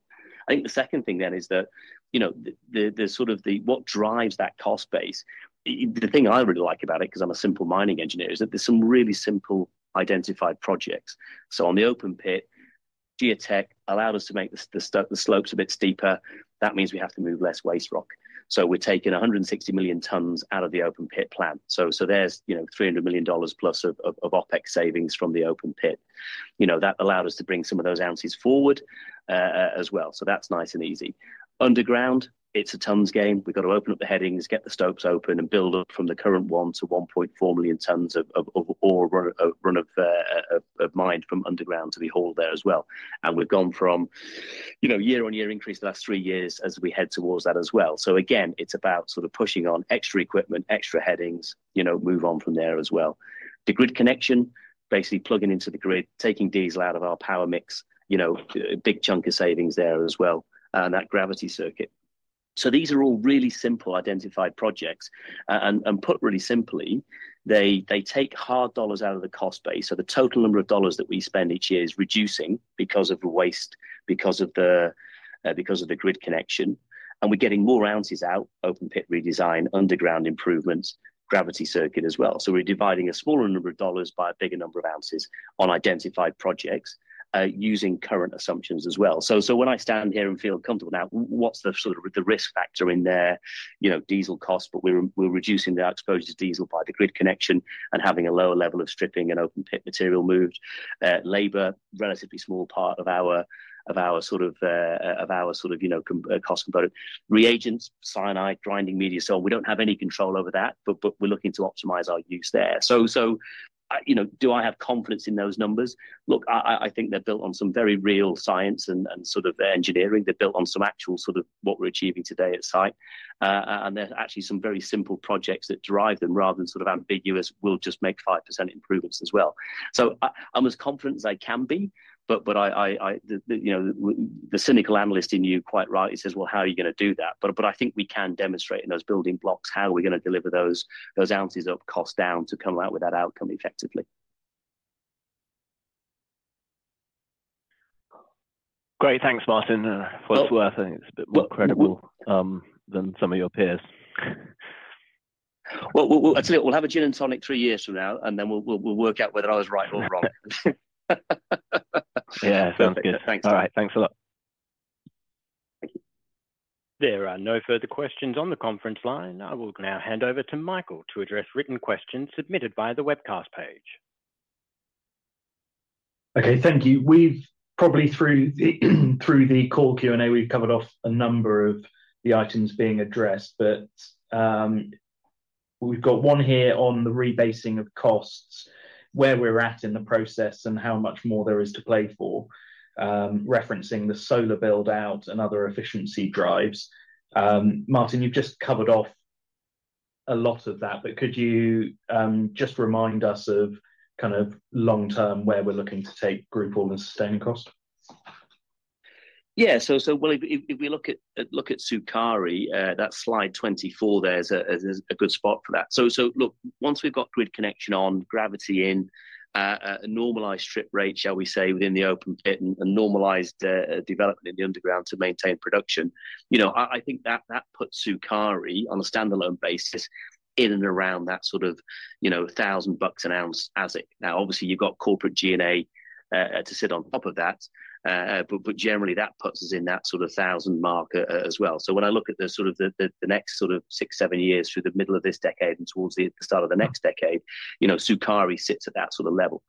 I think the second thing, then, is that there's sort of what drives that cost base. The thing I really like about it because I'm a simple mining engineer is that there's some really simple identified projects. So on the open pit, Geotech allowed us to make the slopes a bit steeper. That means we have to move less waste rock. So we're taking 160 million tons out of the open pit plan. So there's $300 million plus of OpEx savings from the open pit. That allowed us to bring some of those ounces forward as well. So that's nice and easy. Underground, it's a tons game. We've got to open up the headings, get the stopes open, and build up from the current 1 to 1.4 million tons of ore run of mine from underground to be hauled there as well. And we've gone from year-on-year increase the last three years as we head towards that as well. So again, it's about sort of pushing on extra equipment, extra headings, move on from there as well. The grid connection, basically plugging into the grid, taking diesel out of our power mix, big chunk of savings there as well, and that gravity circuit. So these are all really simple identified projects. Put really simply, they take hard dollars out of the cost base. So the total number of dollars that we spend each year is reducing because of the waste, because of the grid connection. And we're getting more ounces out: open pit redesign, underground improvements, gravity circuit as well. So we're dividing a smaller number of dollars by a bigger number of ounces on identified projects using current assumptions as well. So when I stand here and feel comfortable now, what's the sort of risk factor in there? Diesel cost, but we're reducing our exposure to diesel by the grid connection and having a lower level of stripping and open pit material moved. Labor, relatively small part of our cost component. Reagents, cyanide, grinding media, so we don't have any control over that, but we're looking to optimize our use there. So do I have confidence in those numbers? Look, I think they're built on some very real science and sort of engineering. They're built on some actual sort of what we're achieving today at site. And there's actually some very simple projects that drive them rather than sort of ambiguous, "We'll just make 5% improvements as well." So I'm as confident as I can be. But the cynical analyst in you, quite right, he says, "Well, how are you going to do that?" But I think we can demonstrate in those building blocks how we're going to deliver those ounces of cost down to come out with that outcome effectively. Great. Thanks, Martin. For what it's worth, I think it's a bit more credible than some of your peers. Well, that's it. We'll have a gin and tonic three years from now, and then we'll work out whether I was right or wrong. Yeah, sounds good. Thanks. All right. Thanks a lot. Thank you. There are no further questions on the conference line. I will now hand over to Michael to address written questions submitted by the webcast page. Okay, thank you. Probably through the call Q&A, we've covered off a number of the items being addressed. But we've got one here on the rebasing of costs, where we're at in the process, and how much more there is to play for, referencing the solar build-out and other efficiency drives. Martin, you've just covered off a lot of that, but could you just remind us of kind of long-term where we're looking to take group AISC and sustaining costs? Yeah. So well, if we look at Sukari, that slide 24 there is a good spot for that. So look, once we've got grid connection on, gravity in, a normalized strip rate, shall we say, within the open pit, and normalized development in the underground to maintain production, I think that puts Sukari on a standalone basis in and around that sort of $1,000 an ounce as it now, obviously, you've got corporate G&A to sit on top of that. But generally, that puts us in that sort of $1,000 mark as well. So when I look at the sort of the next sort of six, seven years through the middle of this decade and towards the start of the next decade, Sukari sits at that sort of level.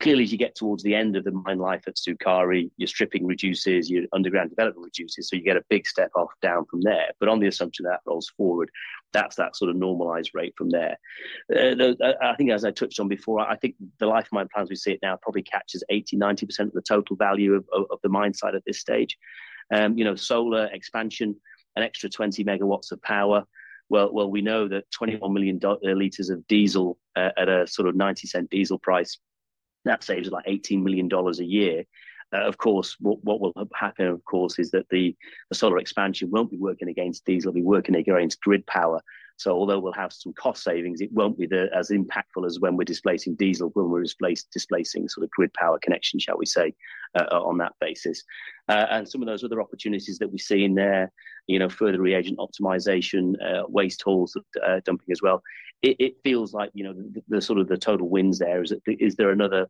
Clearly, as you get towards the end of the mine life at Sukari, your stripping reduces, your underground development reduces, so you get a big step off down from there. But on the assumption that rolls forward, that's that sort of normalized rate from there. I think, as I touched on before, I think the life-of-mine plans, we see it now, probably catches 80%-90% of the total value of the mine site at this stage. Solar expansion, an extra 20 megawatts of power. Well, we know that 21 million liters of diesel at a sort of $0.90 diesel price, that saves us like $18 million a year. Of course, what will happen, of course, is that the solar expansion won't be working against diesel. It'll be working against grid power. So although we'll have some cost savings, it won't be as impactful as when we're displacing diesel, when we're displacing sort of grid power connection, shall we say, on that basis. And some of those other opportunities that we see in there, further reagent optimization, waste hauls dumping as well, it feels like the sort of the total wins there is that is there another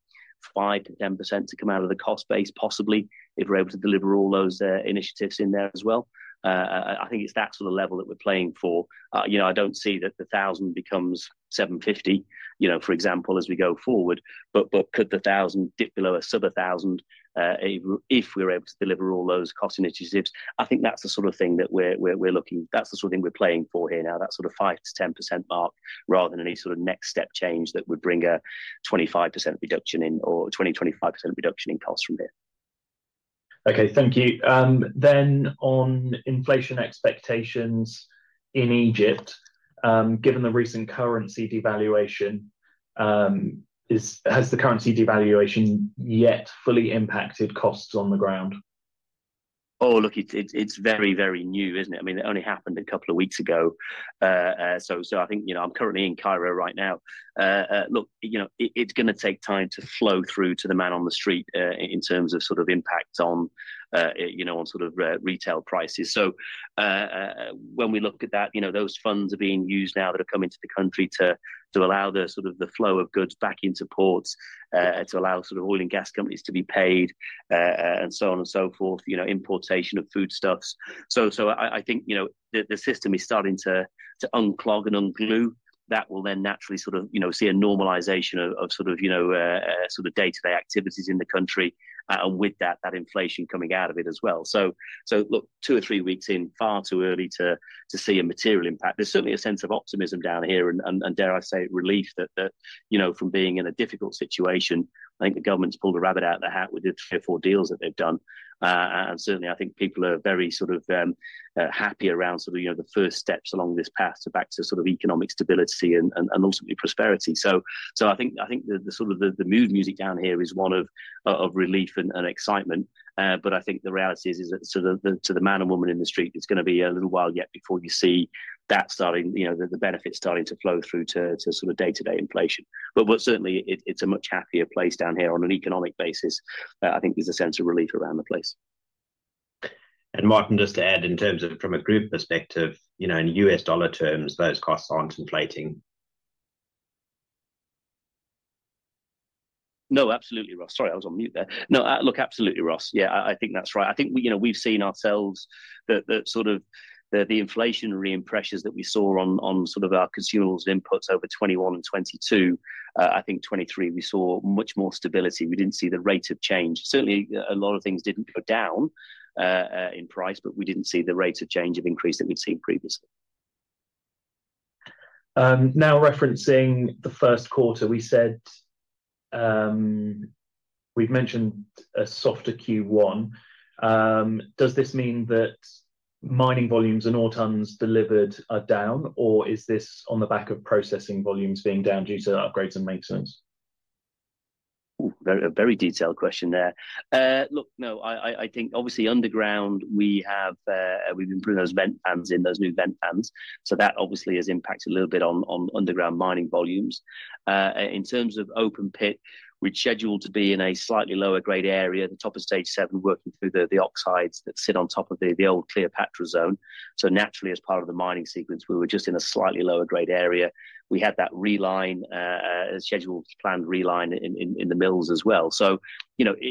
5%-10% to come out of the cost base, possibly, if we're able to deliver all those initiatives in there as well? I think it's that sort of level that we're playing for. I don't see that the $1,000 becomes $750, for example, as we go forward. But could the $1,000 dip below a sub-$1,000 if we're able to deliver all those cost initiatives? I think that's the sort of thing we're playing for here now, that sort of 5%-10% mark rather than any sort of next step change that would bring a 25% reduction in or 20%-25% reduction in costs from here. Okay, thank you. Then on inflation expectations in Egypt, given the recent currency devaluation, has the currency devaluation yet fully impacted costs on the ground? Oh, look, it's very, very new, isn't it? I mean, it only happened a couple of weeks ago. So I think I'm currently in Cairo right now. Look, it's going to take time to flow through to the man on the street in terms of sort of impact on sort of retail prices. So when we look at that, those funds are being used now that have come into the country to allow the sort of flow of goods back into ports, to allow sort of oil and gas companies to be paid, and so on and so forth, importation of foodstuffs. So I think the system is starting to unclog and unglue. That will then naturally sort of see a normalization of sort of sort of day-to-day activities in the country, and with that, that inflation coming out of it as well. So look, two or three weeks in, far too early to see a material impact. There's certainly a sense of optimism down here, and dare I say, relief that from being in a difficult situation, I think the government's pulled a rabbit out of the hat with the three or four deals that they've done. And certainly, I think people are very sort of happy around sort of the first steps along this path to back to sort of economic stability and ultimately prosperity. So I think the sort of the mood music down here is one of relief and excitement. But I think the reality is that to the man and woman in the street, it's going to be a little while yet before you see that starting the benefits starting to flow through to sort of day-to-day inflation. But certainly, it's a much happier place down here on an economic basis. I think there's a sense of relief around the place. Martin, just to add, in terms of from a grid perspective, in US dollar terms, those costs aren't inflating. No, absolutely, Ross. Sorry, I was on mute there. No, look, absolutely, Ross. Yeah, I think that's right. I think we've seen ourselves that sort of the inflationary pressures that we saw on sort of our consumables inputs over 2021 and 2022, I think 2023, we saw much more stability. We didn't see the rate of change. Certainly, a lot of things didn't go down in price, but we didn't see the rate of change of increase that we'd seen previously. Now, referencing the first quarter, we said we've mentioned a softer Q1. Does this mean that mining volumes and ore tons delivered are down, or is this on the back of processing volumes being down due to upgrades and maintenance? Oh, very detailed question there. Look, no, I think obviously, underground, we've been putting those vent fans in, those new vent fans. So that obviously has impacted a little bit on underground mining volumes. In terms of open pit, we'd schedule to be in a slightly lower-grade area, the top of Stage 7, working through the oxides that sit on top of the old Cleopatra zone. So naturally, as part of the mining sequence, we were just in a slightly lower-grade area. We had that reline, a scheduled planned reline in the mills as well. So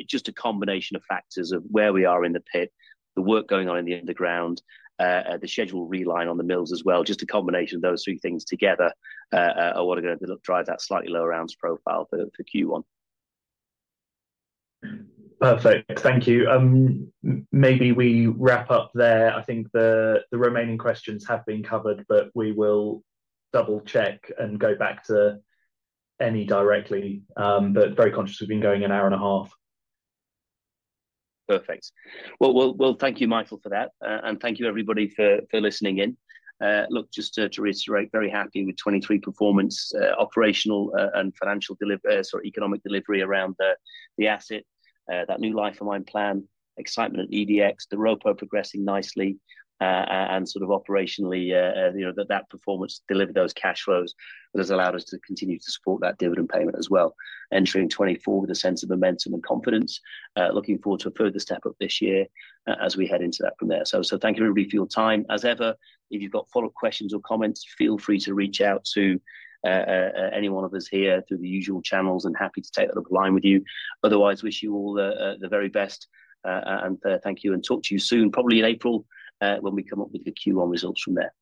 just a combination of factors of where we are in the pit, the work going on in the underground, the scheduled reline on the mills as well, just a combination of those three things together are what are going to drive that slightly lower ounce profile for Q1. Perfect. Thank you. Maybe we wrap up there. I think the remaining questions have been covered, but we will double-check and go back to any directly. But very conscious we've been going an hour and a half. Perfect. Well, thank you, Michael, for that. And thank you, everybody, for listening in. Look, just to reiterate, very happy with 2023 performance, operational and financial sort of economic delivery around the asset, that new life-of-mine plan, excitement at EDX, the Doropo progressing nicely, and sort of operationally, that performance delivered those cash flows that has allowed us to continue to support that dividend payment as well, entering 2024 with a sense of momentum and confidence, looking forward to a further step up this year as we head into that from there. So thank you, everybody, for your time. As ever, if you've got follow-up questions or comments, feel free to reach out to any one of us here through the usual channels, and happy to take that offline with you. Otherwise, wish you all the very best. And thank you, and talk to you soon, probably in April, when we come up with the Q1 results from there.